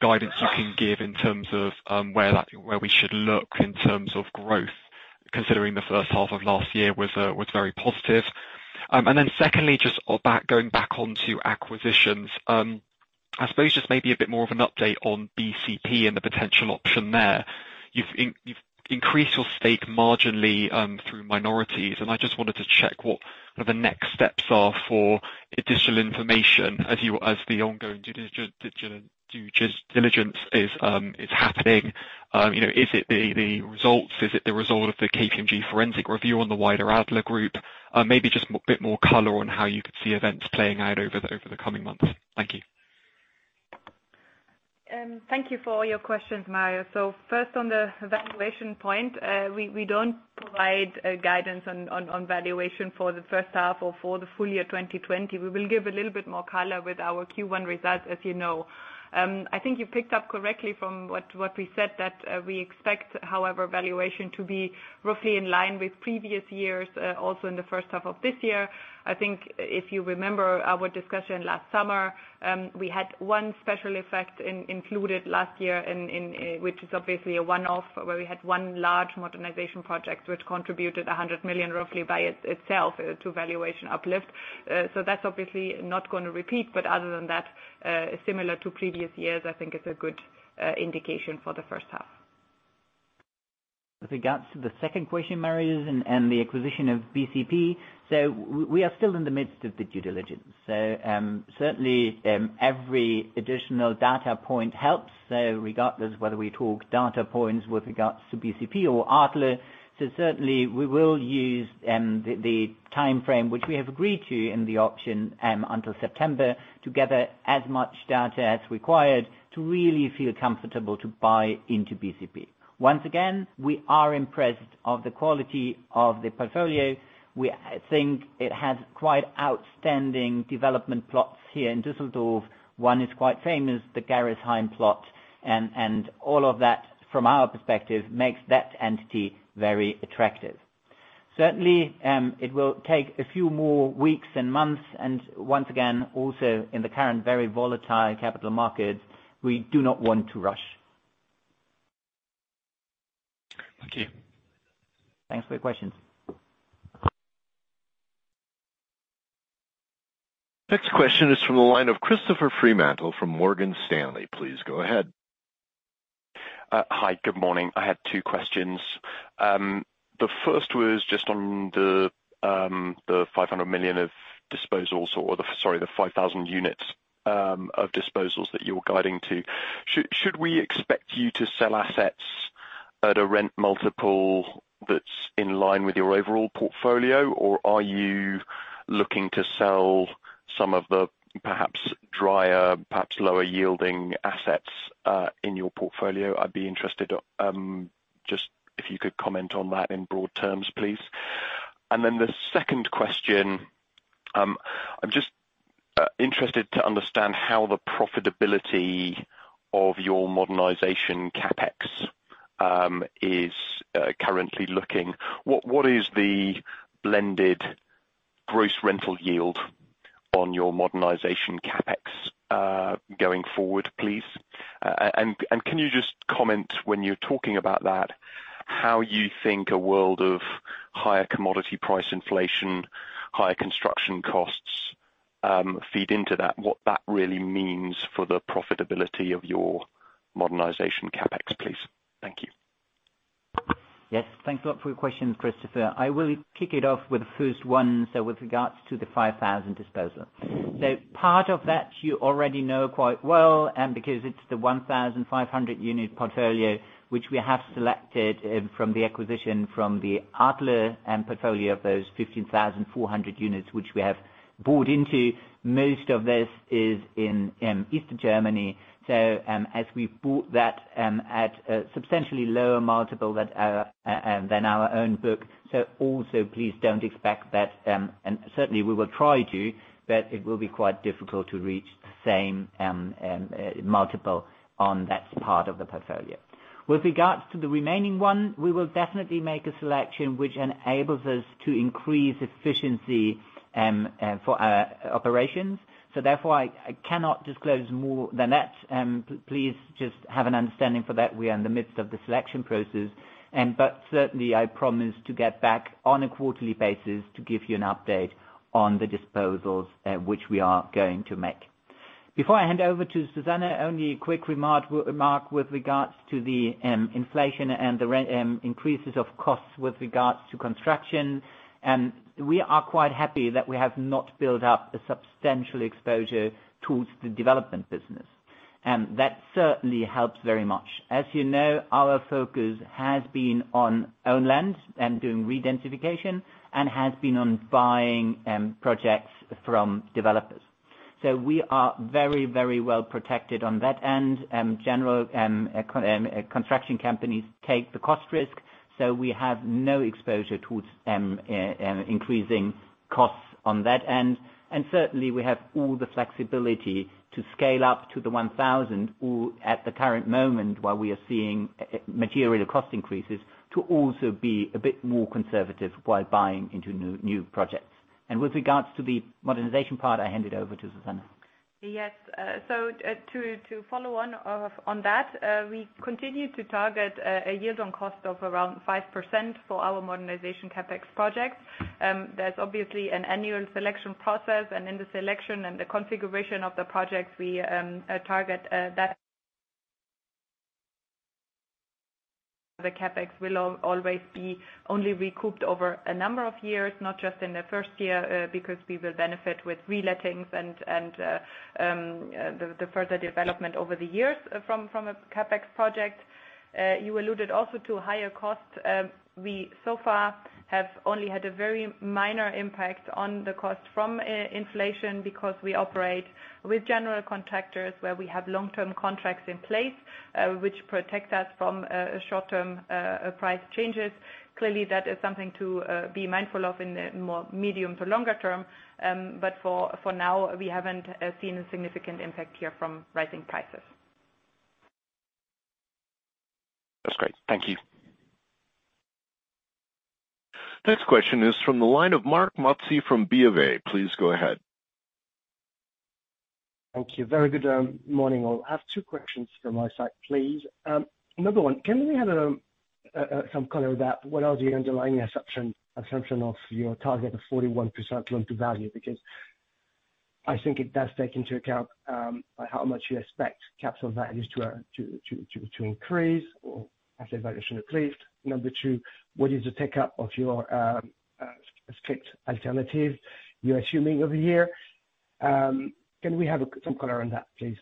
[SPEAKER 8] guidance you can give in terms of where we should look in terms of growth, considering the first half of last year was very positive. Second, just going back onto acquisitions, I suppose just maybe a bit more of an update on BCP and the potential option there. You've increased your stake marginally through minorities, and I just wanted to check what the next steps are for additional information as the ongoing due diligence is happening. You know, is it the results, is it the result of the KPMG forensic review on the wider Adler Group? Maybe just a bit more color on how you could see events playing out over the coming months. Thank you.
[SPEAKER 4] Thank you for all your questions, Marios. First on the valuation point, we don't provide guidance on valuation for the first half or for the full year 2020. We will give a little bit more color with our Q1 results, as you know. I think you picked up correctly from what we said, that we expect, however, valuation to be roughly in line with previous years, also in the first half of this year. I think if you remember our discussion last summer, we had one special effect included last year, which is obviously a one-off, where we had one large modernization project which contributed 100 million roughly by itself to valuation uplift. That's obviously not gonna repeat. Other than that, similar to previous years, I think it's a good indication for the first half.
[SPEAKER 2] With regards to the second question, Marios, and the acquisition of BCP. We are still in the midst of the due diligence. Certainly, every additional data point helps, so regardless whether we talk data points with regards to BCP or Adler. Certainly we will use the timeframe which we have agreed to in the auction until September to gather as much data as required to really feel comfortable to buy into BCP. Once again, we are impressed of the quality of the portfolio. We, I think it has quite outstanding development plots here in Düsseldorf. One is quite famous, the [Gareth] plot, and all of that from our perspective makes that entity very attractive. Certainly, it will take a few more weeks and months, and once again, also in the current very volatile capital markets, we do not want to rush.
[SPEAKER 8] Thank you.
[SPEAKER 2] Thanks for your questions.
[SPEAKER 5] Next question is from the line of Christopher Fremantle from Morgan Stanley. Please go ahead.
[SPEAKER 9] Hi. Good morning. I had two questions. The first was just on the 5,000 units of disposals that you're guiding to. Should we expect you to sell assets at a rent multiple that's in line with your overall portfolio? Or are you looking to sell some of the perhaps drier, perhaps lower yielding assets in your portfolio? I'd be interested just if you could comment on that in broad terms, please. The second question, I'm just interested to understand how the profitability of your modernization CapEx is currently looking. What is the blended gross rental yield on your modernization CapEx going forward, please? Can you just comment when you're talking about that, how you think a world of higher commodity price inflation, higher construction costs feed into that, what that really means for the profitability of your modernization CapEx, please? Thank you.
[SPEAKER 2] Yes. Thanks a lot for your questions, Christopher. I will kick it off with the first one. With regards to the 5,000 disposal. Part of that you already know quite well, because it's the 1,500 unit portfolio which we have selected from the acquisition from the Adler portfolio of those 15,400 units which we have bought into. Most of this is in Eastern Germany. As we bought that at a substantially lower multiple than our own book. Also, please don't expect that, and certainly we will try to, but it will be quite difficult to reach the same multiple on that part of the portfolio. With regards to the remaining one, we will definitely make a selection which enables us to increase efficiency for our operations. Therefore I cannot disclose more than that. Please just have an understanding for that. We are in the midst of the selection process, but certainly I promise to get back on a quarterly basis to give you an update on the disposals, which we are going to make. Before I hand over to Susanne, only a quick remark with regards to the inflation and the increases of costs with regards to construction. We are quite happy that we have not built up a substantial exposure toward the development business. That certainly helps very much. As you know, our focus has been on owned land and doing re-densification and has been on buying projects from developers. We are very, very well protected on that end. General construction companies take the cost risk, so we have no exposure towards increasing costs on that end. Certainly we have all the flexibility to scale up to the 1,000 or at the current moment while we are seeing material cost increases to also be a bit more conservative while buying into new projects. With regards to the modernization part, I hand it over to Susanne.
[SPEAKER 4] Yes. To follow on that, we continue to target a yield on cost of around 5% for our modernization CapEx projects. There's obviously an annual selection process, and in the selection and the configuration of the projects we target that the CapEx will always be only recouped over a number of years, not just in the first year, because we will benefit with re-lettings and the further development over the years from a CapEx project. You alluded also to higher costs. We so far have only had a very minor impact on the cost from inflation because we operate with general contractors where we have long-term contracts in place, which protect us from short-term price changes. Clearly, that is something to be mindful of in the more medium to longer term. For now, we haven't seen a significant impact here from rising prices.
[SPEAKER 9] That's great. Thank you.
[SPEAKER 5] Next question is from the line of Marc Mozzi from BofA. Please go ahead.
[SPEAKER 10] Thank you. Very good morning, all. I have two questions from my side, please. Number one, can we have some color about what are the underlying assumption of your target of 41% loan to value? Because, I think it does take into account how much you expect capital values to increase or asset valuation increased. Number two, what is the uptake of your scrip alternative you're assuming over here? Can we have some color on that, please?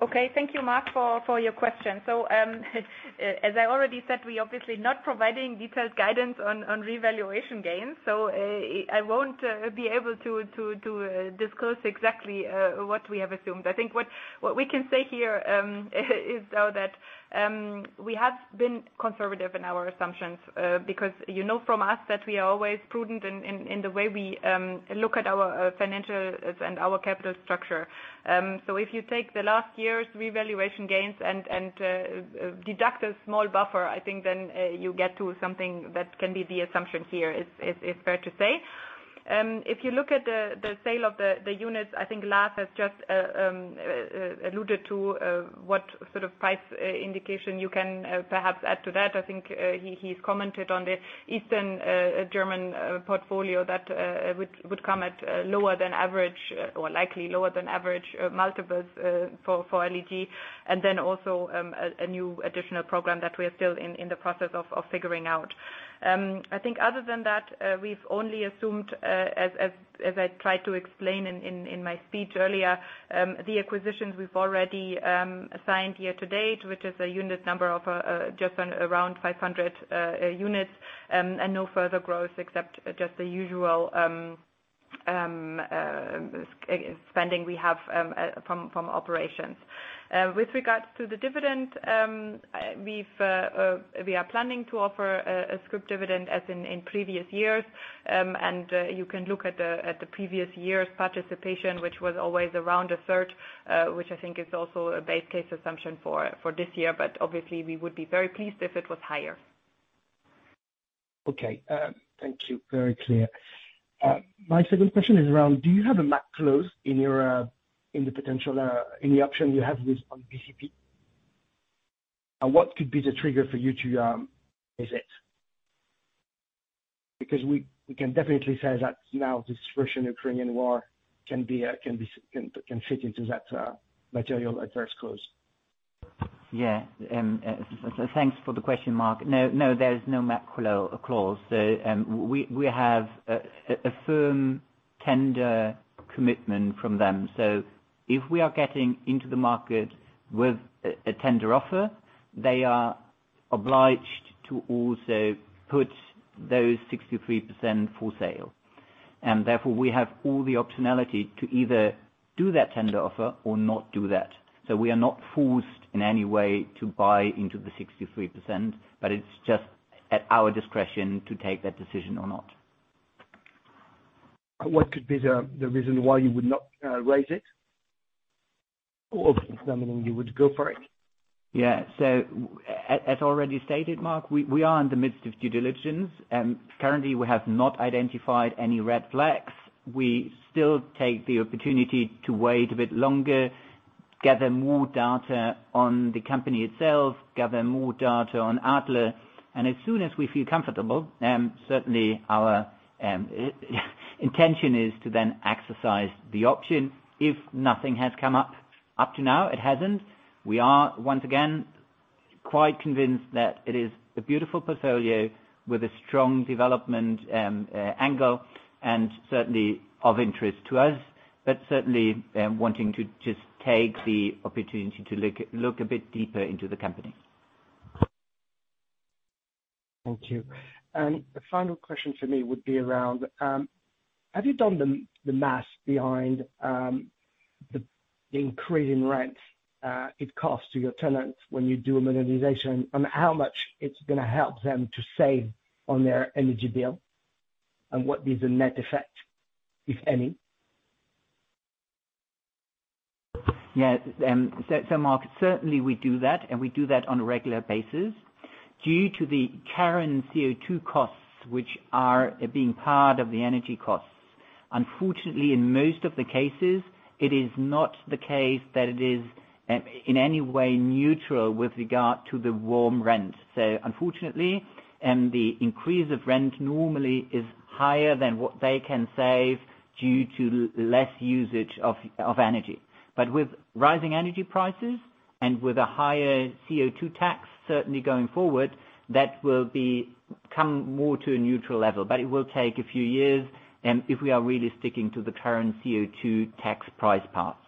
[SPEAKER 4] Okay, thank you Marc, for your question. As I already said, we're obviously not providing detailed guidance on revaluation gains. I won't be able to disclose exactly what we have assumed. I think what we can say here is though that we have been conservative in our assumptions, because you know from us that we are always prudent in the way we look at our financial and our capital structure. If you take the last year's revaluation gains and deduct a small buffer, I think then you get to something that can be the assumption here, it's fair to say. If you look at the sale of the units, I think Lars has just alluded to what sort of price indication you can perhaps add to that. I think he has commented on the Eastern German portfolio that would come at lower than average, or likely lower than average multiples for LEG. Then also, a new additional program that we are still in the process of figuring out. I think other than that, we've only assumed, as I tried to explain in my speech earlier, the acquisitions we've already signed year to date, which is a unit number of just around 500 units, and no further growth except just the usual spending we have from operations. With regards to the dividend, we are planning to offer a scrip dividend as in previous years. You can look at the previous year's participation, which was always around a third, which I think is also a base case assumption for this year. Obviously we would be very pleased if it was higher.
[SPEAKER 10] Okay, thank you. Very clear. My second question is around do you have a MAC clause in your in the potential any option you have with on BCP? And what could be the trigger for you to raise it? Because we can definitely say that now this Russian-Ukrainian war can fit into that material adverse change clause.
[SPEAKER 2] Yeah. Thanks for the question, Marc. No, there's no MAC clause. We have a firm tender commitment from them. If we are getting into the market with a tender offer, they are obliged to also put those 63% for sale. Therefore, we have all the optionality to either do that tender offer or not do that. We are not forced in any way to buy into the 63%, but it's just at our discretion to take that decision or not.
[SPEAKER 10] What could be the reason why you would not raise it? Or determining you would go for it.
[SPEAKER 2] Yeah. As already stated, Marc, we are in the midst of due diligence, and currently we have not identified any red flags. We still take the opportunity to wait a bit longer, gather more data on the company itself, gather more data on Adler, and as soon as we feel comfortable, certainly our intention is to then exercise the option if nothing has come up. Up to now, it hasn't. We are once again quite convinced that it is a beautiful portfolio with a strong development angle and certainly of interest to us, but certainly wanting to just take the opportunity to look a bit deeper into the company.
[SPEAKER 10] Thank you. The final question for me would be around, have you done the math behind the increase in rent it costs to your tenants when you do a modernization, on how much it's gonna help them to save on their energy bill, and what is the net effect, if any?
[SPEAKER 2] Marc, certainly we do that, and we do that on a regular basis due to the current CO2 costs, which are part of the energy costs. Unfortunately, in most of the cases, it is not the case that it is in any way neutral with regard to the warm rent. Unfortunately, the increase of rent normally is higher than what they can save due to less usage of energy. With rising energy prices and with a higher CO2 tax certainly going forward, that will become more to a neutral level. It will take a few years if we are really sticking to the current CO2 tax price paths.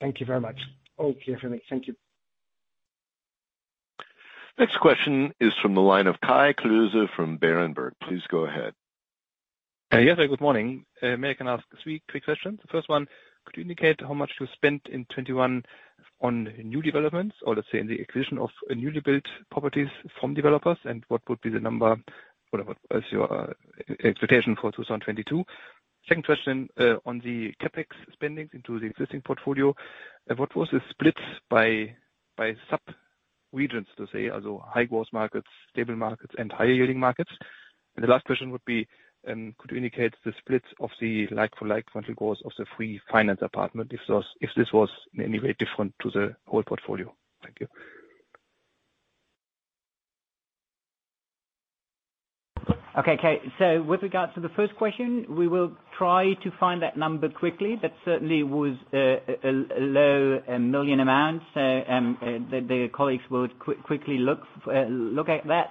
[SPEAKER 10] Thank you very much. All clear for me. Thank you.
[SPEAKER 5] Next question is from the line of Kai Klose from Berenberg. Please go ahead.
[SPEAKER 11] Yeah. Good morning. May I can ask three quick questions. The first one, could you indicate how much you spent in 2021 on new developments, or let's say in the acquisition of newly built properties from developers, and what would be the number, what are your expectation for 2022? Second question, on the CapEx spendings into the existing portfolio, what was the split by subregions to say, also high-growth markets, stable markets, and higher-yielding markets? The last question would be, could you indicate the split of the like-for-like vacancy rate for the apartments, if this was in any way different to the whole portfolio? Thank you.
[SPEAKER 2] Okay, Kai. With regards to the first question, we will try to find that number quickly. That certainly was a low million amount. The colleagues will quickly look at that.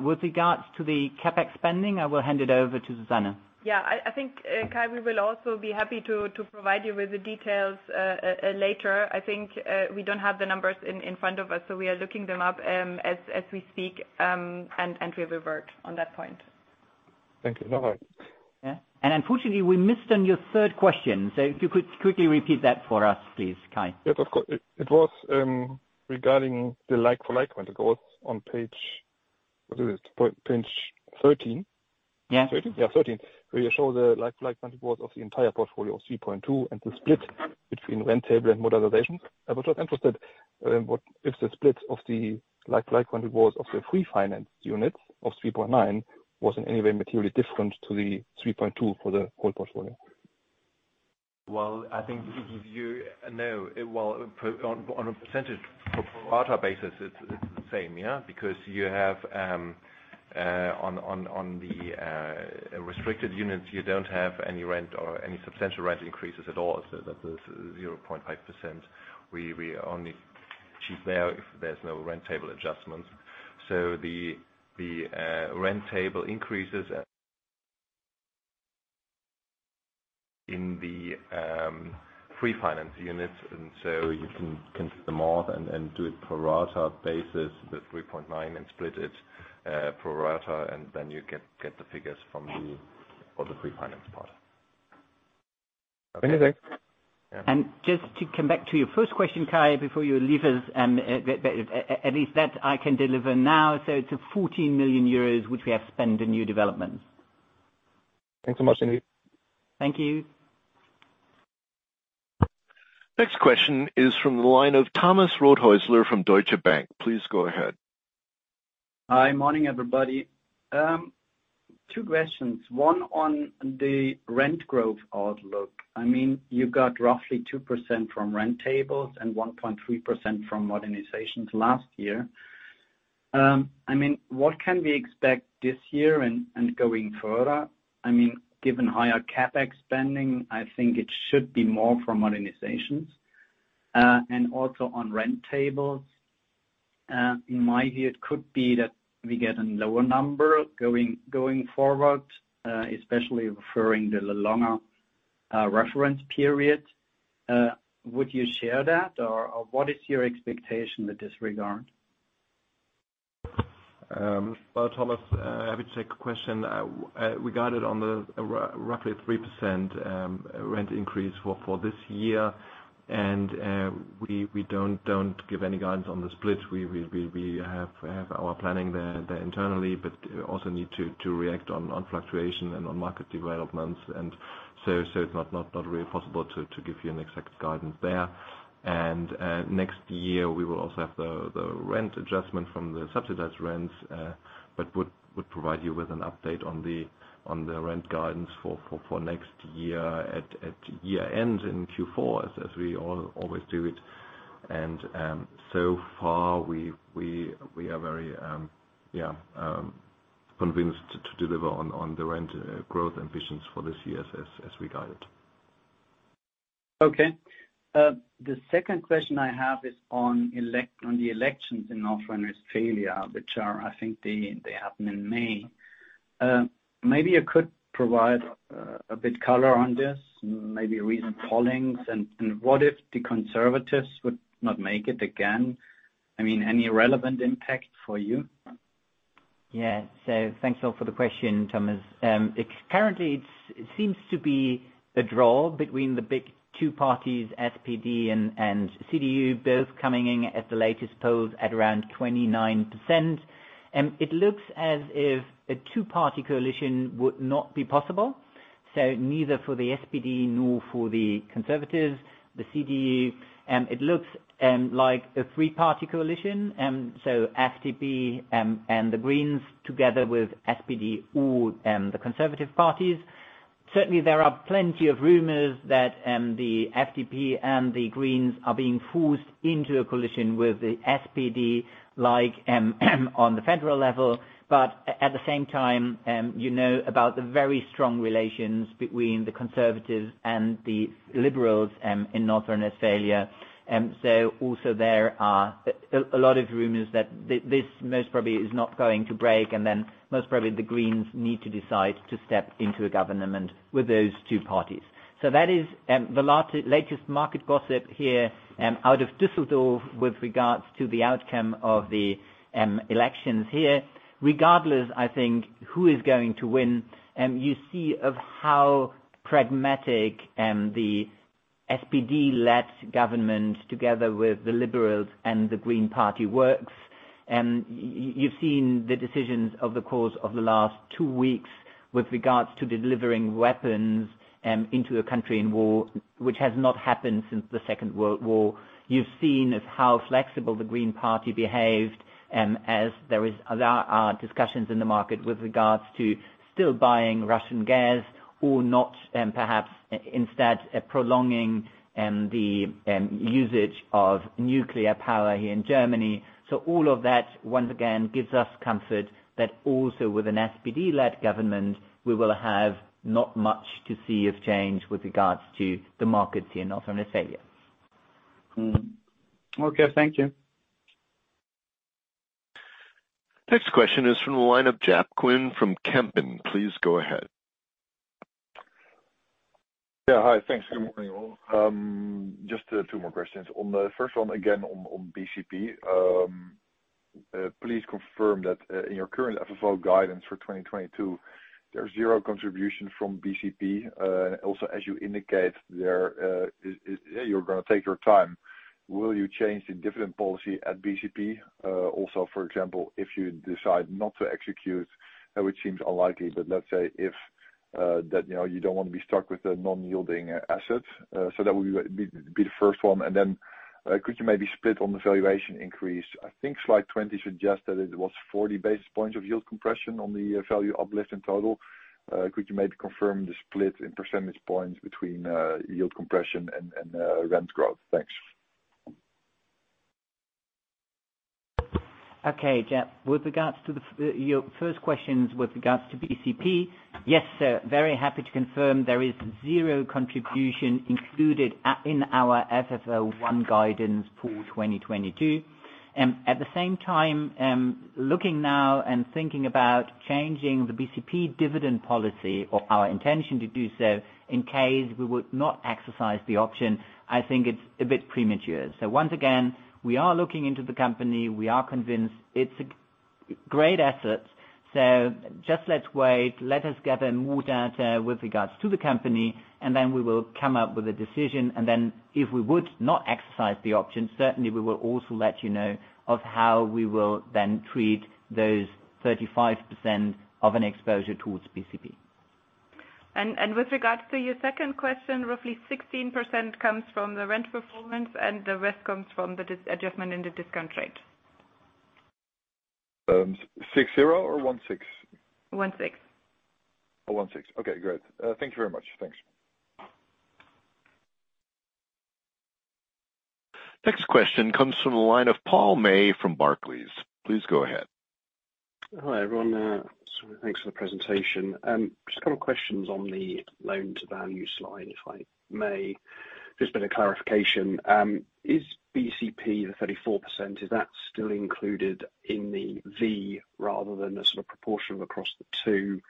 [SPEAKER 2] With regards to the CapEx spending, I will hand it over to Susanne.
[SPEAKER 4] Yeah. I think, Kai, we will also be happy to provide you with the details later. I think we don't have the numbers in front of us, so we are looking them up as we speak, and we will revert on that point.
[SPEAKER 11] Thank you. No worries.
[SPEAKER 2] Yeah. Unfortunately, we missed on your third question, so if you could quickly repeat that for us, please, Kai.
[SPEAKER 11] Yes, of course. It was regarding the like-for-like when it goes on page, what is it? Page 13.
[SPEAKER 2] Yeah.
[SPEAKER 11] 13? Yeah, 13, where you show the like-for-like financial goals of the entire portfolio, 3.2%, and the split between rent table and modernization. I was just interested, what is the split of the like-for-like financial goals of the free finance units of 3.9% was in any way materially different to the 3.2% for the whole portfolio.
[SPEAKER 3] Well, I think if you know, it will on a percentage pro rata basis, it's the same, yeah, because you have on the restricted units, you don't have any rent or any substantial rent increases at all. That is 0.5%. We only achieve there if there's no rent table adjustments. The rent table increases in the pre-finance units, and so you can see more and do it pro rata basis, the 3.9, and split it pro rata, and then you get the figures from the.
[SPEAKER 2] Yeah.
[SPEAKER 3] The pre-finance part.
[SPEAKER 11] Okay, thanks.
[SPEAKER 3] Yeah.
[SPEAKER 2] Just to come back to your first question, Kai, before you leave us, at least that I can deliver now. It's 14 million euros which we have spent in new developments.
[SPEAKER 11] Thanks so much, Lars.
[SPEAKER 2] Thank you.
[SPEAKER 5] Next question is from the line of Thomas Rothaeusler from Deutsche Bank. Please go ahead.
[SPEAKER 12] Hi, morning, everybody. Two questions. One on the rent growth outlook. I mean, you've got roughly 2% from rent tables and 1.3% from modernizations last year. I mean, what can we expect this year and going further? I mean, given higher CapEx spending, I think it should be more from modernizations and also on rent tables. In my view, it could be that we get a lower number going forward, especially referring to the longer reference period. Would you share that or what is your expectation in this regard?
[SPEAKER 3] Well, Thomas, happy to take your question. We got it on the roughly 3% rent increase for this year. We have our planning there internally, but also need to react on fluctuation and on market developments. So it's not really possible to give you an exact guidance there. Next year we will also have the rent adjustment from the subsidized rents, but would provide you with an update on the rent guidance for next year at year end in Q4 as we always do it. So far we are very convinced to deliver on the rent growth ambitions for this year as we guide it.
[SPEAKER 12] Okay. The second question I have is on the elections in North Rhine-Westphalia, which are, I think they happen in May. Maybe you could provide a bit color on this, maybe recent polling. What if the conservatives would not make it again? I mean, any relevant impact for you?
[SPEAKER 2] Thanks a lot for the question, Thomas. It currently seems to be a draw between the big two parties, SPD and CDU, both coming in at the latest polls at around 29%. It looks as if a two-party coalition would not be possible, neither for the SPD nor for the conservatives, the CDU. It looks like a three-party coalition, FDP and the Greens together with SPD or the conservative parties. Certainly, there are plenty of rumors that the FDP and the Greens are being forced into a coalition with the SPD, like on the federal level. At the same time, you know about the very strong relations between the conservatives and the liberals in North Rhine-Westphalia. There are a lot of rumors that this most probably is not going to break, and then most probably the Greens need to decide to step into a government with those two parties. That is the latest market gossip here out of Düsseldorf with regards to the outcome of the elections here. Regardless, I think who is going to win, you see how pragmatic the SPD-led government together with the liberals and the Green Party works. You've seen the decisions over the course of the last two weeks. With regards to delivering weapons into a country in war, which has not happened since the Second World War. You've seen of how flexible the Green Party behaved, as there are discussions in the market with regards to still buying Russian gas or not, and perhaps instead prolonging the usage of nuclear power here in Germany. All of that, once again, gives us comfort that also with an SPD-led government, we will have not much to see of change with regards to the markets here in North Rhine-Westphalia.
[SPEAKER 12] Okay. Thank you.
[SPEAKER 5] Next question is from the line of Jaap Kuin from Kempen. Please go ahead.
[SPEAKER 13] Yeah. Hi. Thanks. Good morning, all. Just two more questions. On the first one, again on BCP. Please confirm that in your current FFO guidance for 2022, there's zero contribution from BCP. Also, as you indicate there, you're gonna take your time, will you change the dividend policy at BCP? Also, for example, if you decide not to execute, which seems unlikely, but let's say if that, you know, you don't wanna be stuck with the non-yielding assets. So that would be the first one. Could you maybe split on the valuation increase? I think slide 20 suggests that it was 40 basis points of yield compression on the value uplift in total. Could you maybe confirm the split in percentage points between yield compression and rent growth? Thanks.
[SPEAKER 2] Okay, Jaap. With regards to your first questions with regards to BCP. Yes, sir, very happy to confirm there is zero contribution included in our FFO I guidance for 2022. At the same time, looking now and thinking about changing the BCP dividend policy or our intention to do so in case we would not exercise the option, I think it's a bit premature. Once again, we are looking into the company. We are convinced it's a great asset. Just let's wait, let us gather more data with regards to the company, and then we will come up with a decision. Then if we would not exercise the option, certainly we will also let you know of how we will then treat those 35% of an exposure towards BCP.
[SPEAKER 4] With regards to your second question, roughly 16% comes from the rent performance, and the rest comes from the dis-adjustment in the discount rate.
[SPEAKER 13] 60 or 16?
[SPEAKER 4] 16.
[SPEAKER 13] Oh, 16. Okay, great. Thank you very much. Thanks.
[SPEAKER 5] Next question comes from the line of Paul May from Barclays. Please go ahead.
[SPEAKER 14] Hi, everyone. Thanks for the presentation. Just a couple questions on the loan-to-value slide, if I may. Just a bit of clarification. Is BCP the 34%, is that still included in the V rather than the sort of proportion across the two?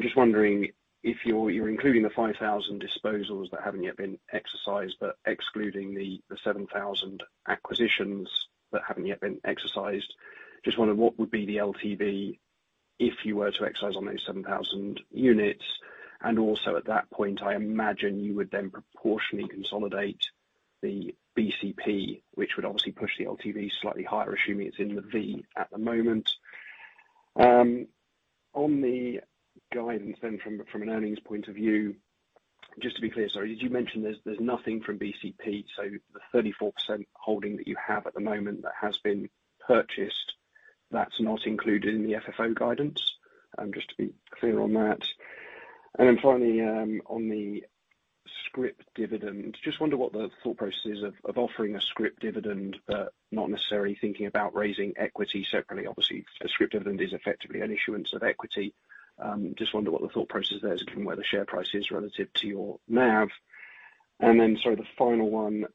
[SPEAKER 14] Just wondering if you're including the 5,000 disposals that haven't yet been exercised, but excluding the 7,000 acquisitions that haven't yet been exercised. Just wondering what would be the LTV if you were to exercise on those 7,000 units. At that point, I imagine you would then proportionally consolidate the BCP, which would obviously push the LTV slightly higher, assuming it's in the V at the moment. On the guidance from an earnings point of view, just to be clear, sorry, did you mention there's nothing from BCP, so the 34% holding that you have at the moment that has been purchased, that's not included in the FFO guidance? Just to be clear on that. Finally, on the scrip dividend, I just wonder what the thought process is of offering a scrip dividend, but not necessarily thinking about raising equity separately. Obviously a scrip dividend is effectively an issuance of equity. Just wonder what the thought process there is given where the share price is relative to your NAV. Sorry, the final one,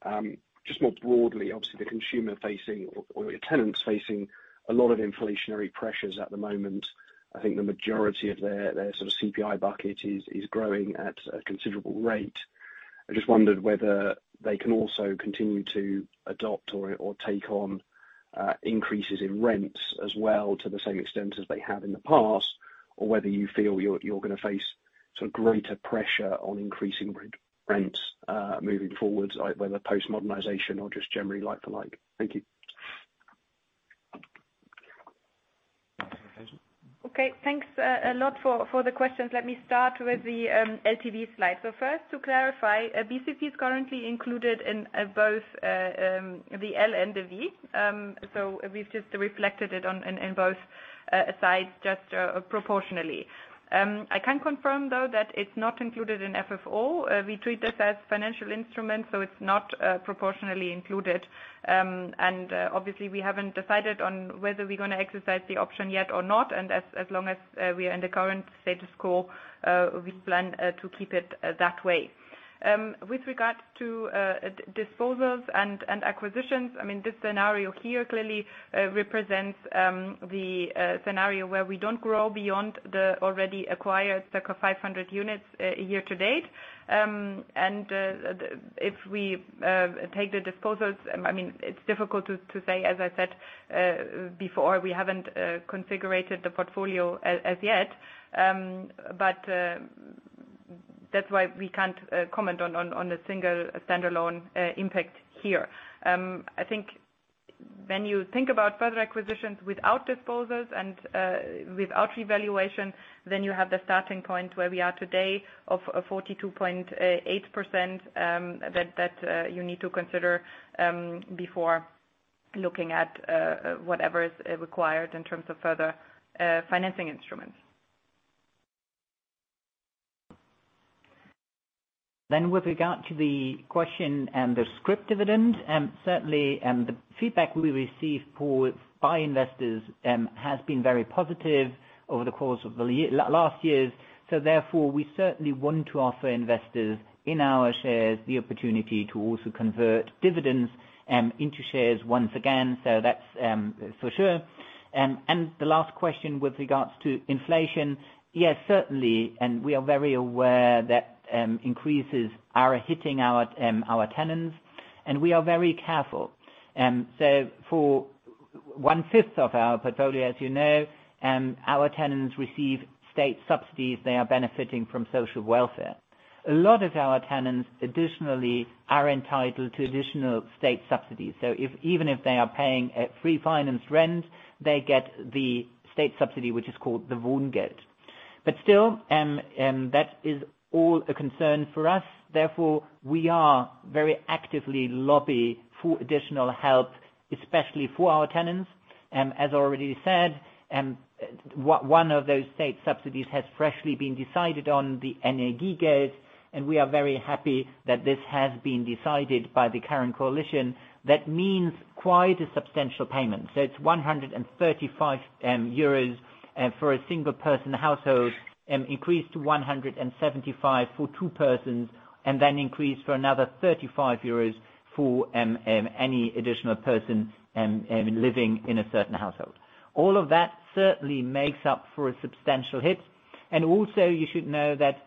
[SPEAKER 14] just more broadly, obviously the consumer facing or your tenants facing a lot of inflationary pressures at the moment. I think the majority of their sort of CPI bucket is growing at a considerable rate. I just wondered whether they can also continue to adopt or take on increases in rents as well to the same extent as they have in the past, or whether you feel you're gonna face sort of greater pressure on increasing re-rents moving forwards, whether post-modernization or just generally like for like. Thank you.
[SPEAKER 4] Okay. Thanks a lot for the questions. Let me start with the LTV slide. First, to clarify, BCP is currently included in both the L and the V. We've just reflected it in both sides just proportionally. I can confirm though that it's not included in FFO. We treat this as financial instrument, so it's not proportionally included. Obviously we haven't decided on whether we're gonna exercise the option yet or not, and as long as we are in the current status quo, we plan to keep it that way. With regards to disposals and acquisitions, I mean, this scenario here clearly represents the scenario where we don't grow beyond the already acquired circa 500 units year to date. If we take the disposals, I mean, it's difficult to say, as I said before, we haven't configured the portfolio as yet. That's why we can't comment on a single standalone impact here. When you think about further acquisitions without disposals and without revaluation, then you have the starting point where we are today of a 42.8%, that you need to consider before looking at whatever is required in terms of further financing instruments.
[SPEAKER 2] With regard to the question and the scrip dividend, certainly and the feedback we receive, Paul, by investors, has been very positive over the course of the last years. Therefore, we certainly want to offer investors in our shares the opportunity to also convert dividends into shares once again. That's for sure. The last question with regards to inflation, yes, certainly, and we are very aware that increases are hitting our tenants, and we are very careful. For one-fifth of our portfolio, as you know, our tenants receive state subsidies, they are benefiting from social welfare. A lot of our tenants additionally are entitled to additional state subsidies. If even if they are paying a pre-financed rent, they get the state subsidy, which is called the Wohngeld. Still, that is all a concern for us. Therefore, we are very actively lobbying for additional help, especially for our tenants. As already said, one of those state subsidies has freshly been decided on the Energiegeld, and we are very happy that this has been decided by the current coalition. That means quite a substantial payment. It's 135 euros for a single person household, increased to 175 for two persons, and then increased for another 35 euros for any additional person living in a certain household. All of that certainly makes up for a substantial hit. Also, you should know that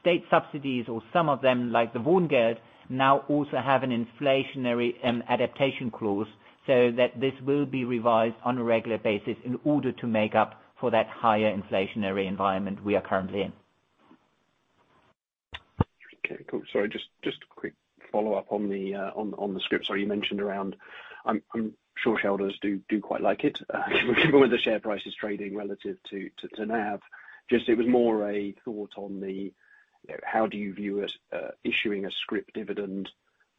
[SPEAKER 2] state subsidies or some of them, like the Wohngeld, now also have an inflationary adaptation clause, so that this will be revised on a regular basis in order to make up for that higher inflationary environment we are currently in.
[SPEAKER 14] Okay, cool. Sorry, just a quick follow-up on the scrip. Sorry, you mentioned around. I'm sure shareholders do quite like it given where the share price is trading relative to NAV. Just it was more a thought on the how do you view it issuing a scrip dividend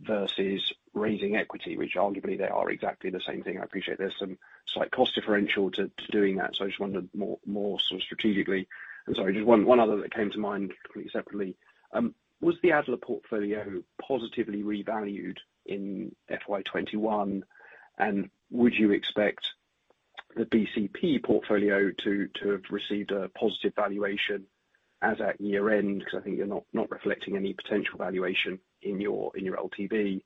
[SPEAKER 14] versus raising equity, which arguably they are exactly the same thing. I appreciate there's some slight cost differential to doing that. Just wondered more so strategically. Sorry, just one other that came to mind completely separately. Was the Adler portfolio positively revalued in FY 2021? Would you expect the BCP portfolio to have received a positive valuation as at year-end? 'Cause I think you're not reflecting any potential valuation in your LTV.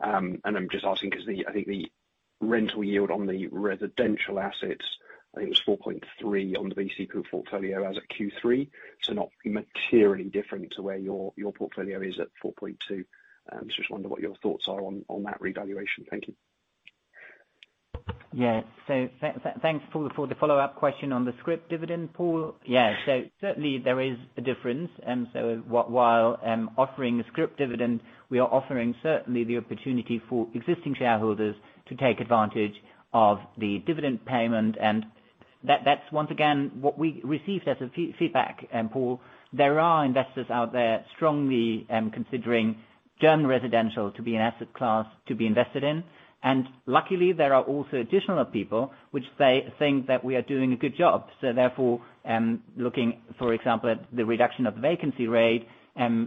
[SPEAKER 14] I'm just asking 'cause I think the rental yield on the residential assets, I think it was 4.3 on the BCP portfolio as at Q3. Not materially different to where your portfolio is at 4.2. I just wonder what your thoughts are on that revaluation. Thank you.
[SPEAKER 2] Yeah. Thanks for the follow-up question on the scrip dividend, Paul. Yeah. Certainly there is a difference. While offering a scrip dividend, we are offering certainly the opportunity for existing shareholders to take advantage of the dividend payment. That's once again what we received as a feedback, Paul. There are investors out there strongly considering German residential to be an asset class to be invested in. Luckily, there are also additional people which they think that we are doing a good job. Therefore, looking, for example, at the reduction of the vacancy rate,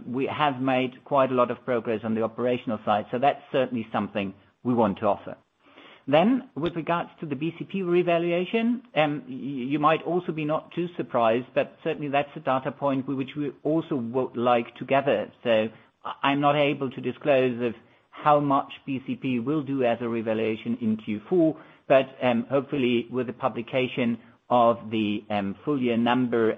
[SPEAKER 2] we have made quite a lot of progress on the operational side. That's certainly something we want to offer. With regards to the BCP revaluation, you might also be not too surprised, but certainly that's a data point which we also would like to gather. I'm not able to disclose of how much BCP will do as a revaluation in Q4, but hopefully with the publication of the full year number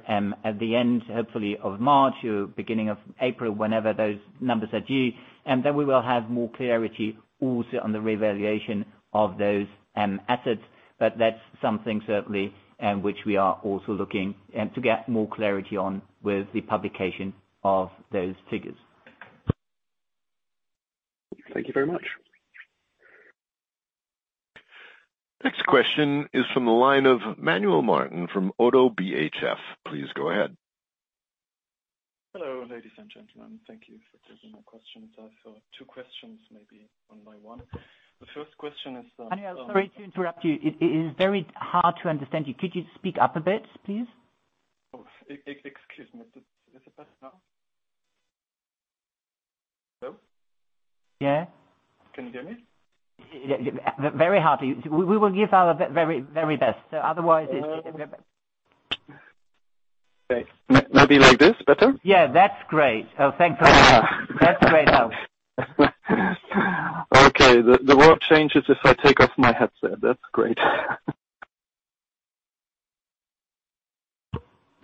[SPEAKER 2] at the end, hopefully of March or beginning of April, whenever those numbers are due, and then we will have more clarity also on the revaluation of those assets. But that's something certainly which we are also looking to get more clarity on with the publication of those figures.
[SPEAKER 14] Thank you very much.
[SPEAKER 5] Next question is from the line of Manuel Martin from Oddo BHF. Please go ahead.
[SPEAKER 15] Hello, ladies and gentlemen. Thank you for taking my questions. I've two questions, maybe one by one. The first question is,
[SPEAKER 2] Manuel, sorry to interrupt you. It is very hard to understand you. Could you speak up a bit, please?
[SPEAKER 15] Excuse me. Is it better now? Hello?
[SPEAKER 2] Yeah.
[SPEAKER 15] Can you hear me?
[SPEAKER 2] Yeah. Very hard. We will give our very, very best. Otherwise, it's.
[SPEAKER 15] Okay. Maybe like this better?
[SPEAKER 2] Yeah, that's great. Thanks a lot. That's great now.
[SPEAKER 15] Okay. The world changes if I take off my headset. That's great.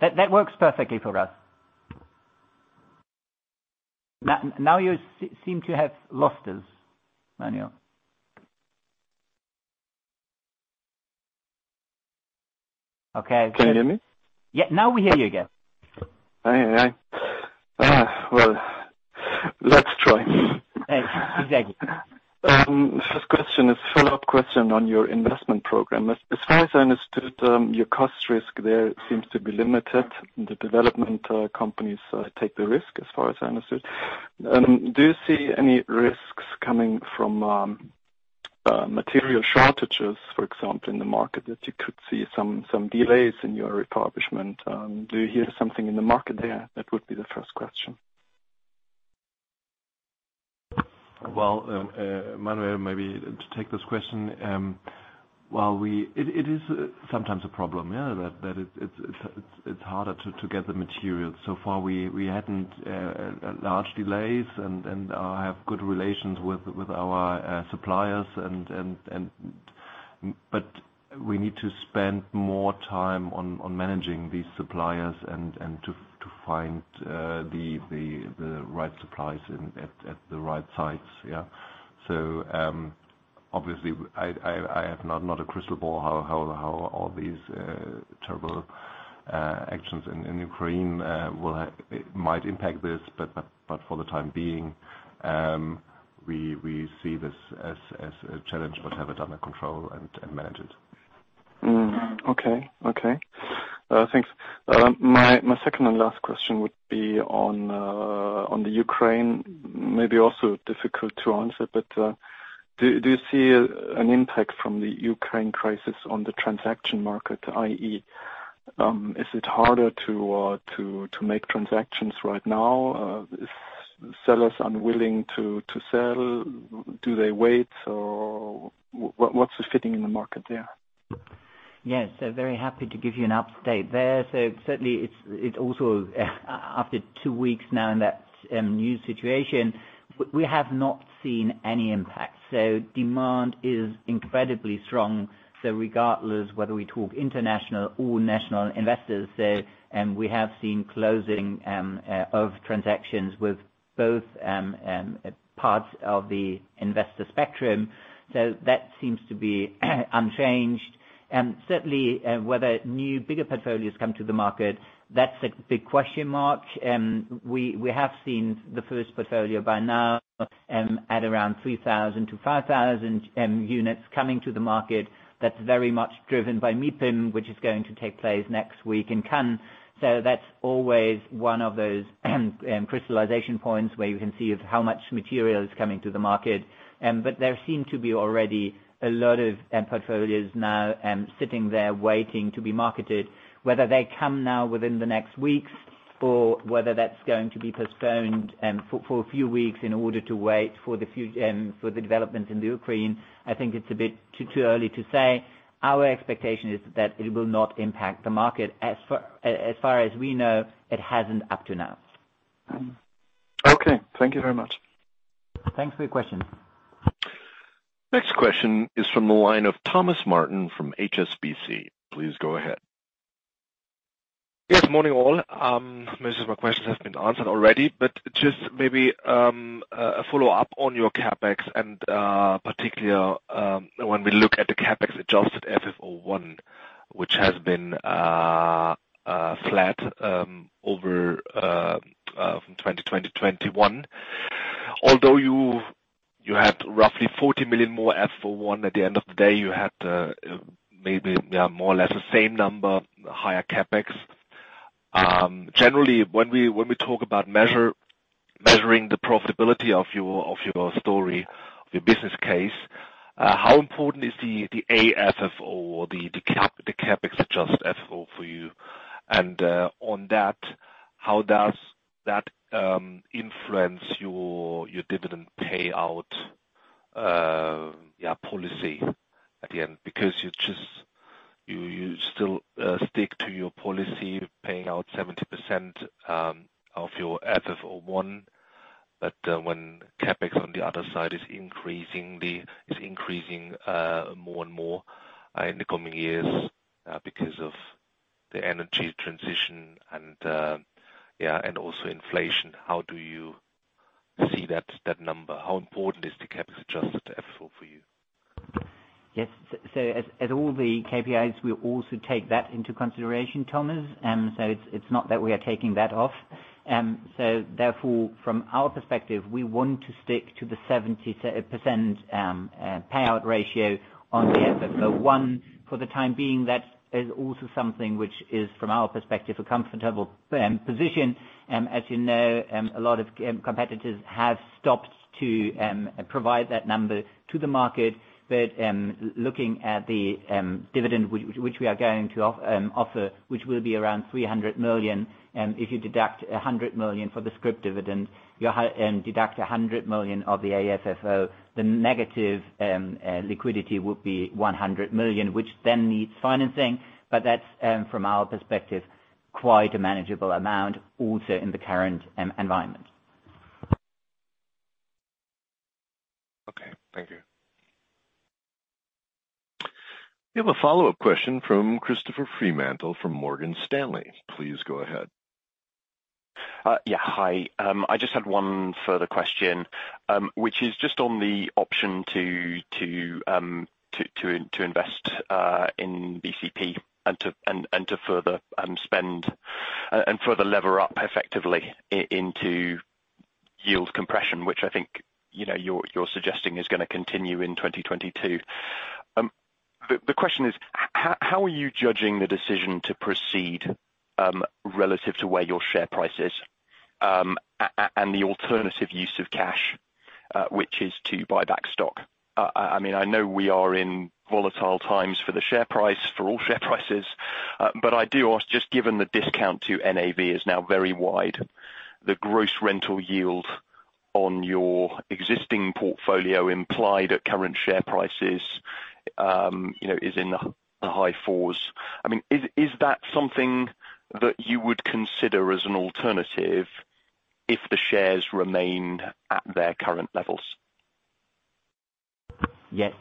[SPEAKER 2] That works perfectly for us. Now you seem to have lost us, Manuel. Okay.
[SPEAKER 15] Can you hear me?
[SPEAKER 2] Yeah. Now we hear you again.
[SPEAKER 15] Well, let's try.
[SPEAKER 2] Exactly.
[SPEAKER 15] First question is follow-up question on your investment program. As far as I understood, your cost risk there seems to be limited. The development companies take the risk, as far as I understood. Do you see any risks coming from material shortages, for example, in the market that you could see some delays in your refurbishment? Do you hear something in the market there? That would be the first question.
[SPEAKER 3] Well, Manuel, maybe to take this question. It is sometimes a problem, yeah, that it's harder to get the materials. So far we haven't had large delays and have good relations with our suppliers. We need to spend more time on managing these suppliers and to find the right supplies at the right sites, yeah. Obviously I have not a crystal ball how all these terrible actions in Ukraine might impact this. For the time being, we see this as a challenge, but have it under control and manage it.
[SPEAKER 15] Okay. Thanks. My second and last question would be on the Ukraine. Maybe also difficult to answer, but do you see an impact from the Ukraine crisis on the transaction market, i.e., is it harder to make transactions right now? Are sellers unwilling to sell? Do they wait? Or what's happening in the market there?
[SPEAKER 2] Yes. Very happy to give you an update there. Certainly it's also after two weeks now in that new situation, we have not seen any impact. Demand is incredibly strong. Regardless whether we talk international or national investors, and we have seen closing of transactions with both parts of the investor spectrum. That seems to be unchanged. Certainly, whether new bigger portfolios come to the market, that's a big question mark. We have seen the first portfolio by now at around 3,000-5,000 units coming to the market. That's very much driven by MIPIM, which is going to take place next week in Cannes. That's always one of those crystallization points where you can see of how much material is coming to the market. There seem to be already a lot of portfolios now sitting there waiting to be marketed. Whether they come now within the next weeks or whether that's going to be postponed for a few weeks in order to wait for the developments in Ukraine, I think it's a bit too early to say. Our expectation is that it will not impact the market. As far as we know, it hasn't up to now.
[SPEAKER 15] Okay. Thank you very much.
[SPEAKER 2] Thanks for your question.
[SPEAKER 5] Next question is from the line of Thomas Martin from HSBC. Please go ahead.
[SPEAKER 16] Yes. Morning, all. Most of my questions have been answered already, but just maybe a follow-up on your CapEx, and in particular, when we look at the CapEx-adjusted FFO I, which has been flat over from 2021. Although you had roughly 40 million more FFO I, at the end of the day, you had maybe, yeah, more or less the same number, higher CapEx. Generally, when we talk about measuring the profitability of your story, your business case, how important is the AFFO or the CapEx-adjusted FFO for you? And on that, how does that influence your dividend payout policy at the end? Because you just. You still stick to your policy paying out 70% of your FFO I. When CapEx on the other side is increasing more and more in the coming years because of the energy transition and yeah and also inflation, how do you see that number? How important is the CapEx-adjusted FFO for you?
[SPEAKER 2] Yes. So as all the KPIs, we also take that into consideration, Thomas. It's not that we are taking that off. Therefore, from our perspective, we want to stick to the 70% payout ratio on the FFO I for the time being. That is also something which is from our perspective a comfortable position. As you know, a lot of competitors have stopped to provide that number to the market. But looking at the dividend which we are going to offer, which will be around 300 million, if you deduct 100 million for the scrip dividend, deduct 100 million of the AFFO, the negative liquidity would be 100 million, which then needs financing. That's from our perspective quite a manageable amount also in the current environment.
[SPEAKER 16] Okay. Thank you.
[SPEAKER 5] We have a follow-up question from Christopher Fremantle from Morgan Stanley. Please go ahead.
[SPEAKER 9] Hi. I just had one further question, which is just on the option to invest in BCP and to further spend and further lever up effectively into yield compression, which I think, you know, you're suggesting is gonna continue in 2022. The question is how are you judging the decision to proceed relative to where your share price is and the alternative use of cash, which is to buy back stock? I mean, I know we are in volatile times for the share price, for all share prices, but I do ask, just given the discount to NAV is now very wide, the gross rental yield on your existing portfolio implied at current share prices, you know, is in the high fours. I mean, is that something that you would consider as an alternative if the shares remained at their current levels?
[SPEAKER 2] Yes.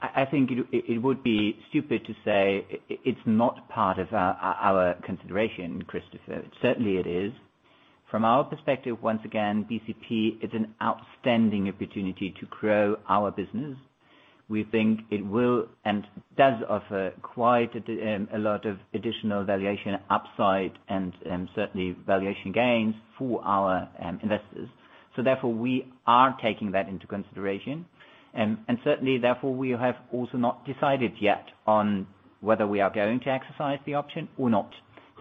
[SPEAKER 2] I think it would be stupid to say it's not part of our consideration, Christopher. Certainly it is. From our perspective, once again, BCP is an outstanding opportunity to grow our business. We think it will and does offer quite a lot of additional valuation upside and certainly valuation gains for our investors. We are taking that into consideration. Certainly therefore, we have also not decided yet on whether we are going to exercise the option or not.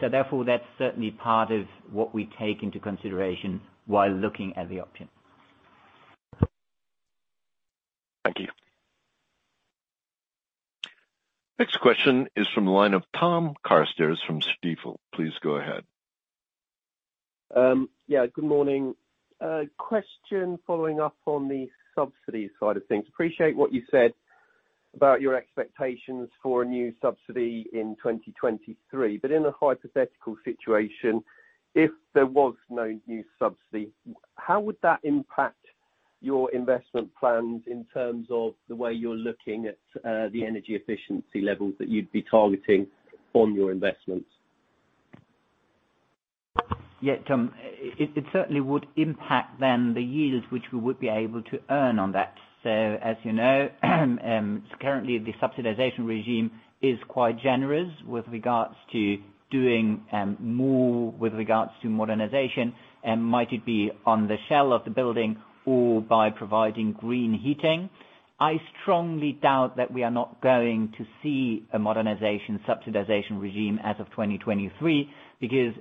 [SPEAKER 2] That's certainly part of what we take into consideration while looking at the option.
[SPEAKER 9] Thank you.
[SPEAKER 5] Next question is from the line of Tom Carstairs from Stifel. Please go ahead.
[SPEAKER 17] Good morning. A question following up on the subsidy side of things. I appreciate what you said about your expectations for a new subsidy in 2023. In a hypothetical situation, if there was no new subsidy, how would that impact your investment plans in terms of the way you're looking at the energy efficiency levels that you'd be targeting on your investments?
[SPEAKER 2] Yeah, Tom. It certainly would impact then the yield which we would be able to earn on that. As you know, currently the subsidization regime is quite generous with regards to doing more with regards to modernization, and might it be on the shell of the building or by providing green heating. I strongly doubt that we are not going to see a modernization subsidization regime as of 2023 because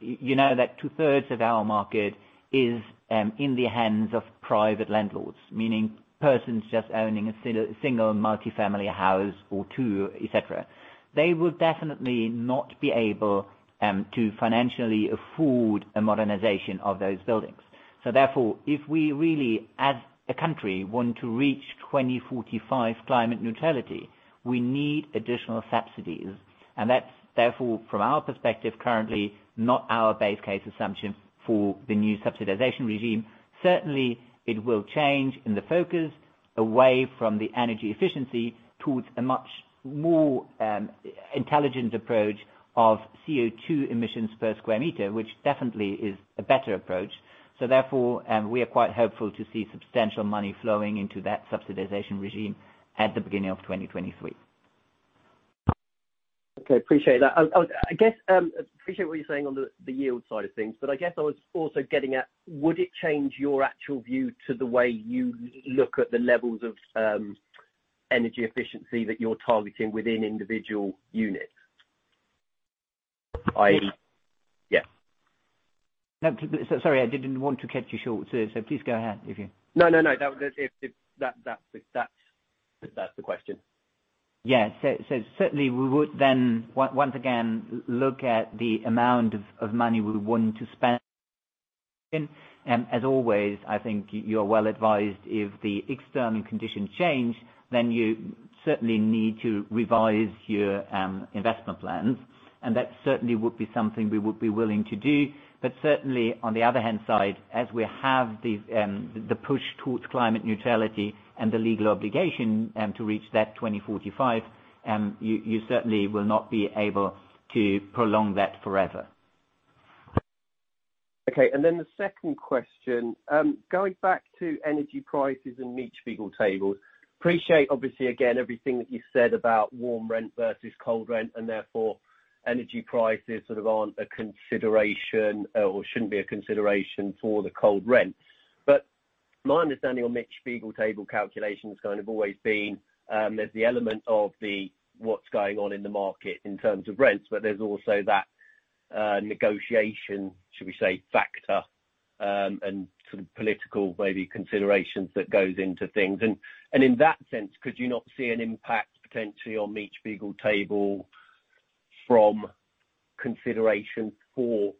[SPEAKER 2] you know that 2/3 of our market is in the hands of private landlords, meaning persons just owning a single multi-family house or two, etc. They would definitely not be able to financially afford a modernization of those buildings. Therefore, if we really, as a country, want to reach 2045 climate neutrality, we need additional subsidies. That's therefore, from our perspective, currently not our base case assumption for the new subsidization regime. Certainly it will change in the focus away from the energy efficiency towards a much more, intelligent approach of CO2 emissions per square meter, which definitely is a better approach. Therefore, we are quite hopeful to see substantial money flowing into that subsidization regime at the beginning of 2023.
[SPEAKER 17] Okay, appreciate that. I guess appreciate what you're saying on the yield side of things, but I guess I was also getting at, would it change your actual view to the way you look at the levels of energy efficiency that you're targeting within individual units? Yeah.
[SPEAKER 2] No, sorry, I didn't want to cut you short, so please go ahead if you?
[SPEAKER 17] No, that was if that's the question.
[SPEAKER 2] Yeah. Certainly we would then once again look at the amount of money we want to spend. As always, I think you're well advised if the external conditions change, then you certainly need to revise your investment plans, and that certainly would be something we would be willing to do. Certainly on the other hand side, as we have the push towards climate neutrality and the legal obligation to reach that 2045, you certainly will not be able to prolong that forever.
[SPEAKER 17] Okay. The second question, going back to energy prices and Mietspiegel tables. I appreciate obviously, again, everything that you said about warm rent versus cold rent, and therefore energy prices sort of aren't a consideration or shouldn't be a consideration for the cold rents. My understanding on Mietspiegel table calculation has kind of always been, there's the element of the, what's going on in the market in terms of rents, but there's also that, negotiation, should we say, factor, and sort of political maybe considerations that goes into things. In that sense, could you not see an impact potentially on Mietspiegel table from consideration for,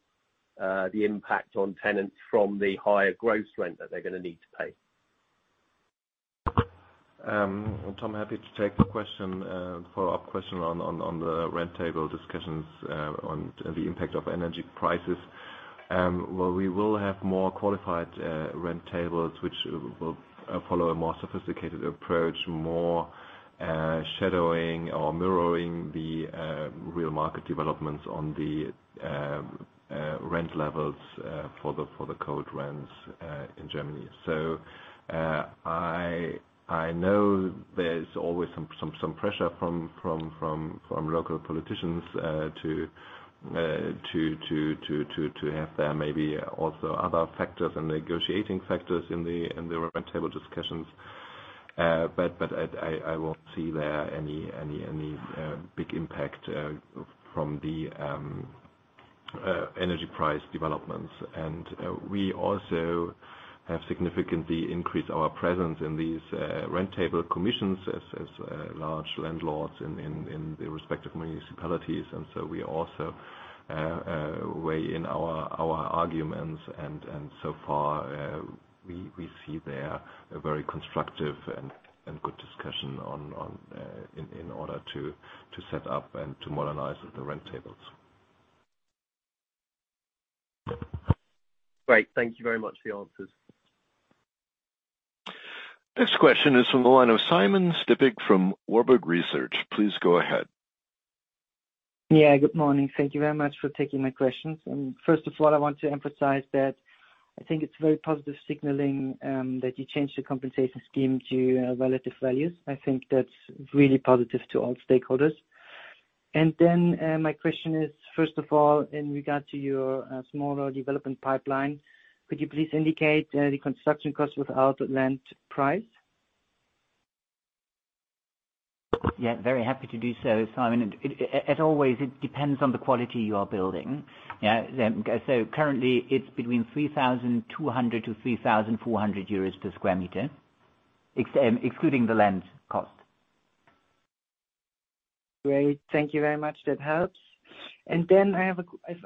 [SPEAKER 17] the impact on tenants from the higher gross rent that they're gonna need to pay?
[SPEAKER 3] Tom, happy to take the question, follow-up question on the rent table discussions, on the impact of energy prices. Well, we will have more qualified rent tables which will follow a more sophisticated approach, more shadowing or mirroring the. Real market developments on the rent levels for the cold rents in Germany. I know there's always some pressure from local politicians to have there maybe also other factors and negotiating factors in the rent table discussions. I won't see there any big impact from the energy price developments. We also have significantly increased our presence in these rent table commissions as large landlords in the respective municipalities. And so far we see there a very constructive and good discussion on in order to set up and to modernize the rent tables.
[SPEAKER 17] Great. Thank you very much for the answers.
[SPEAKER 5] Next question is from the line of Simon Stippig from Warburg Research. Please go ahead.
[SPEAKER 18] Yeah, good morning. Thank you very much for taking my questions. First of all, I want to emphasize that I think it's very positive signaling that you changed your compensation scheme to relative values. I think that's really positive to all stakeholders. My question is, first of all, in regards to your smaller development pipeline, could you please indicate the construction cost without land price?
[SPEAKER 3] Yeah, very happy to do so, Simon. As always, it depends on the quality you are building. Currently it's between 3,200-3,400 euros per sq m, excluding the land cost.
[SPEAKER 18] Great. Thank you very much. That helps. I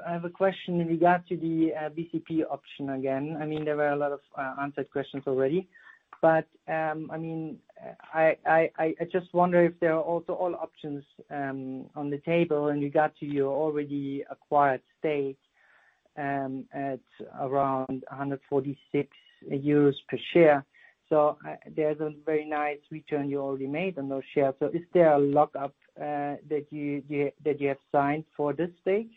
[SPEAKER 18] have a question in regard to the BCP option again. I mean, there were a lot of answered questions already, but I mean, I just wonder if there are also all options on the table in regard to your already acquired stake at around 146 euros per share. There's a very nice return you already made on those shares. Is there a lockup that you have signed for this stake?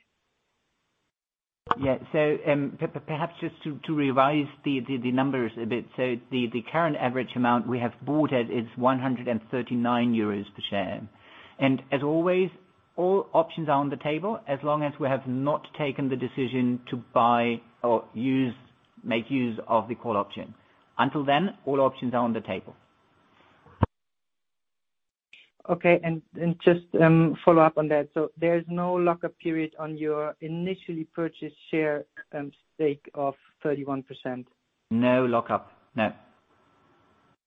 [SPEAKER 3] Perhaps just to revise the numbers a bit. The current average amount we have bought at is 139 euros per share. As always, all options are on the table as long as we have not taken the decision to buy or use, make use of the call option. Until then, all options are on the table.
[SPEAKER 18] Okay. Just follow up on that. There's no lockup period on your initially purchased share stake of 31%?
[SPEAKER 3] No lockup. No.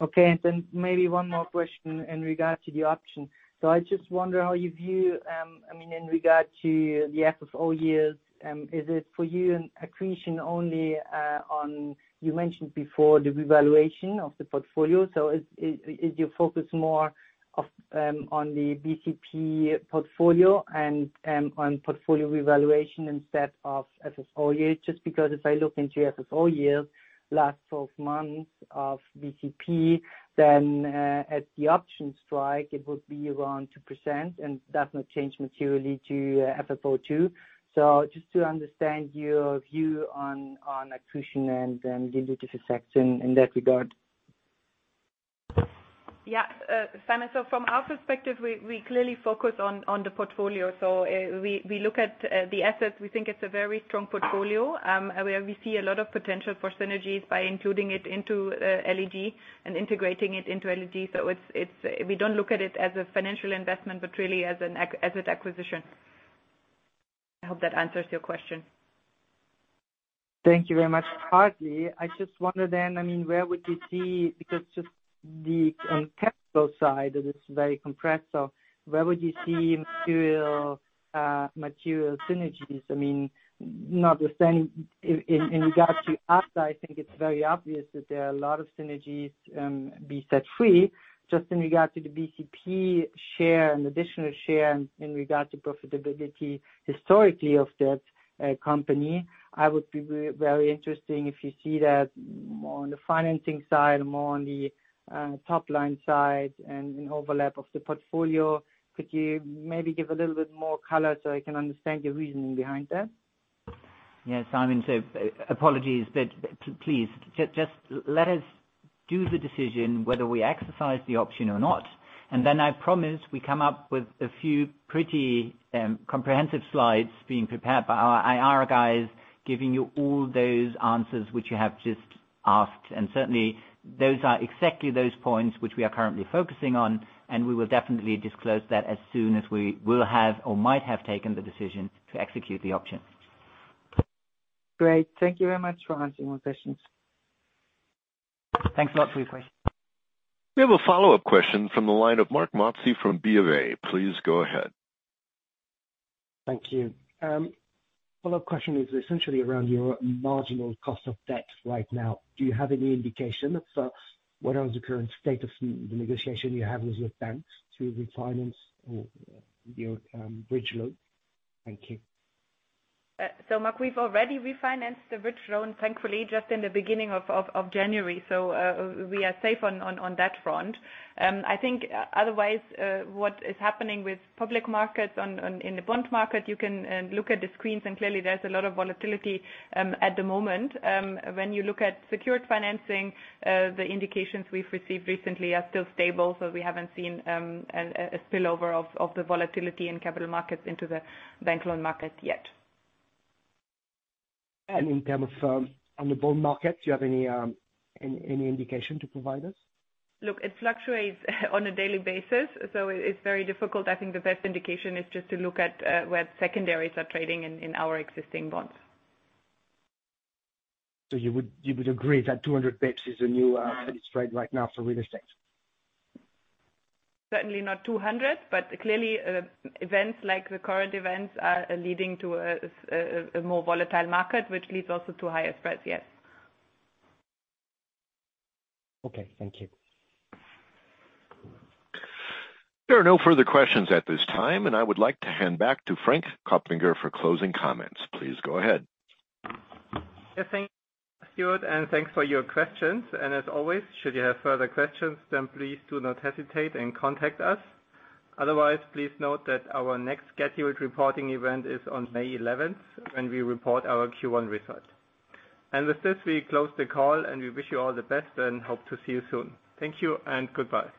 [SPEAKER 18] Okay. Maybe one more question in regards to the option. I just wonder how you view, I mean, in regard to the FFO years, is it for you an accretion only, on, you mentioned before the revaluation of the portfolio. Is your focus more of, on the BCP portfolio and, on portfolio revaluation instead of FFO year? Just because if I look into FFO years last 12 months of BCP, then, at the option strike, it would be around 2% and does not change materially to FFO II. Just to understand your view on, accretion and then dilutive effect in, that regard.
[SPEAKER 4] Yeah. Simon, from our perspective, we clearly focus on the portfolio. We look at the assets. We think it's a very strong portfolio. We see a lot of potential for synergies by including it into LEG and integrating it into LEG. We don't look at it as a financial investment, but really as an asset acquisition. I hope that answers your question.
[SPEAKER 18] Thank you very much. Partly. I just wonder then, I mean, where would you see? Because just on the capital side, it is very compressed. Where would you see material synergies? I mean, not with any in regards to us, I think it's very obvious that there are a lot of synergies be set free. Just in regard to the BCP share and additional share in regard to profitability historically of that company, I would be very interested if you see that more on the financing side, more on the top-line side and an overlap of the portfolio. Could you maybe give a little bit more color, so I can understand your reasoning behind that?
[SPEAKER 3] Yeah, Simon, apologies, but please, just let us do the decision whether we exercise the option or not. Then I promise we come up with a few pretty comprehensive slides being prepared by our IR guys, giving you all those answers which you have just asked. Certainly, those are exactly those points which we are currently focusing on, and we will definitely disclose that as soon as we will have or might have taken the decision to execute the option.
[SPEAKER 18] Great. Thank you very much for answering my questions.
[SPEAKER 2] Thanks a lot, Simon.
[SPEAKER 5] We have a follow-up question from the line of Marc Mozzi from BofA. Please go ahead.
[SPEAKER 10] Thank you. Follow-up question is essentially around your marginal cost of debt right now. Do you have any indication of what is the current state of the negotiation you have with the banks to refinance or your bridge loan? Thank you.
[SPEAKER 4] Mark, we've already refinanced the bridge loan, thankfully, just in the beginning of January. We are safe on that front. I think otherwise, what is happening with public markets in the bond market, you can look at the screens, and clearly there's a lot of volatility at the moment. When you look at secured financing, the indications we've received recently are still stable, so we haven't seen a spillover of the volatility in capital markets into the bank loan market yet.
[SPEAKER 10] In terms of on the bond market, do you have any indication to provide us?
[SPEAKER 4] Look, it fluctuates on a daily basis, so it's very difficult. I think the best indication is just to look at where secondaries are trading in our existing bonds.
[SPEAKER 10] You would agree that 200 bps is a new industry right now for real estate?
[SPEAKER 4] Certainly not 200, but clearly, events like the current events are leading to a more volatile market, which leads also to higher spreads, yes.
[SPEAKER 10] Okay, thank you.
[SPEAKER 5] There are no further questions at this time, and I would like to hand back to Frank Kopfinger for closing comments. Please go ahead.
[SPEAKER 1] Yeah, thank you, Stuart, and thanks for your questions. As always, should you have further questions, then please do not hesitate and contact us. Otherwise, please note that our next scheduled reporting event is on May 11th, when we report our Q1 results. With this, we close the call, and we wish you all the best and hope to see you soon. Thank you and goodbye.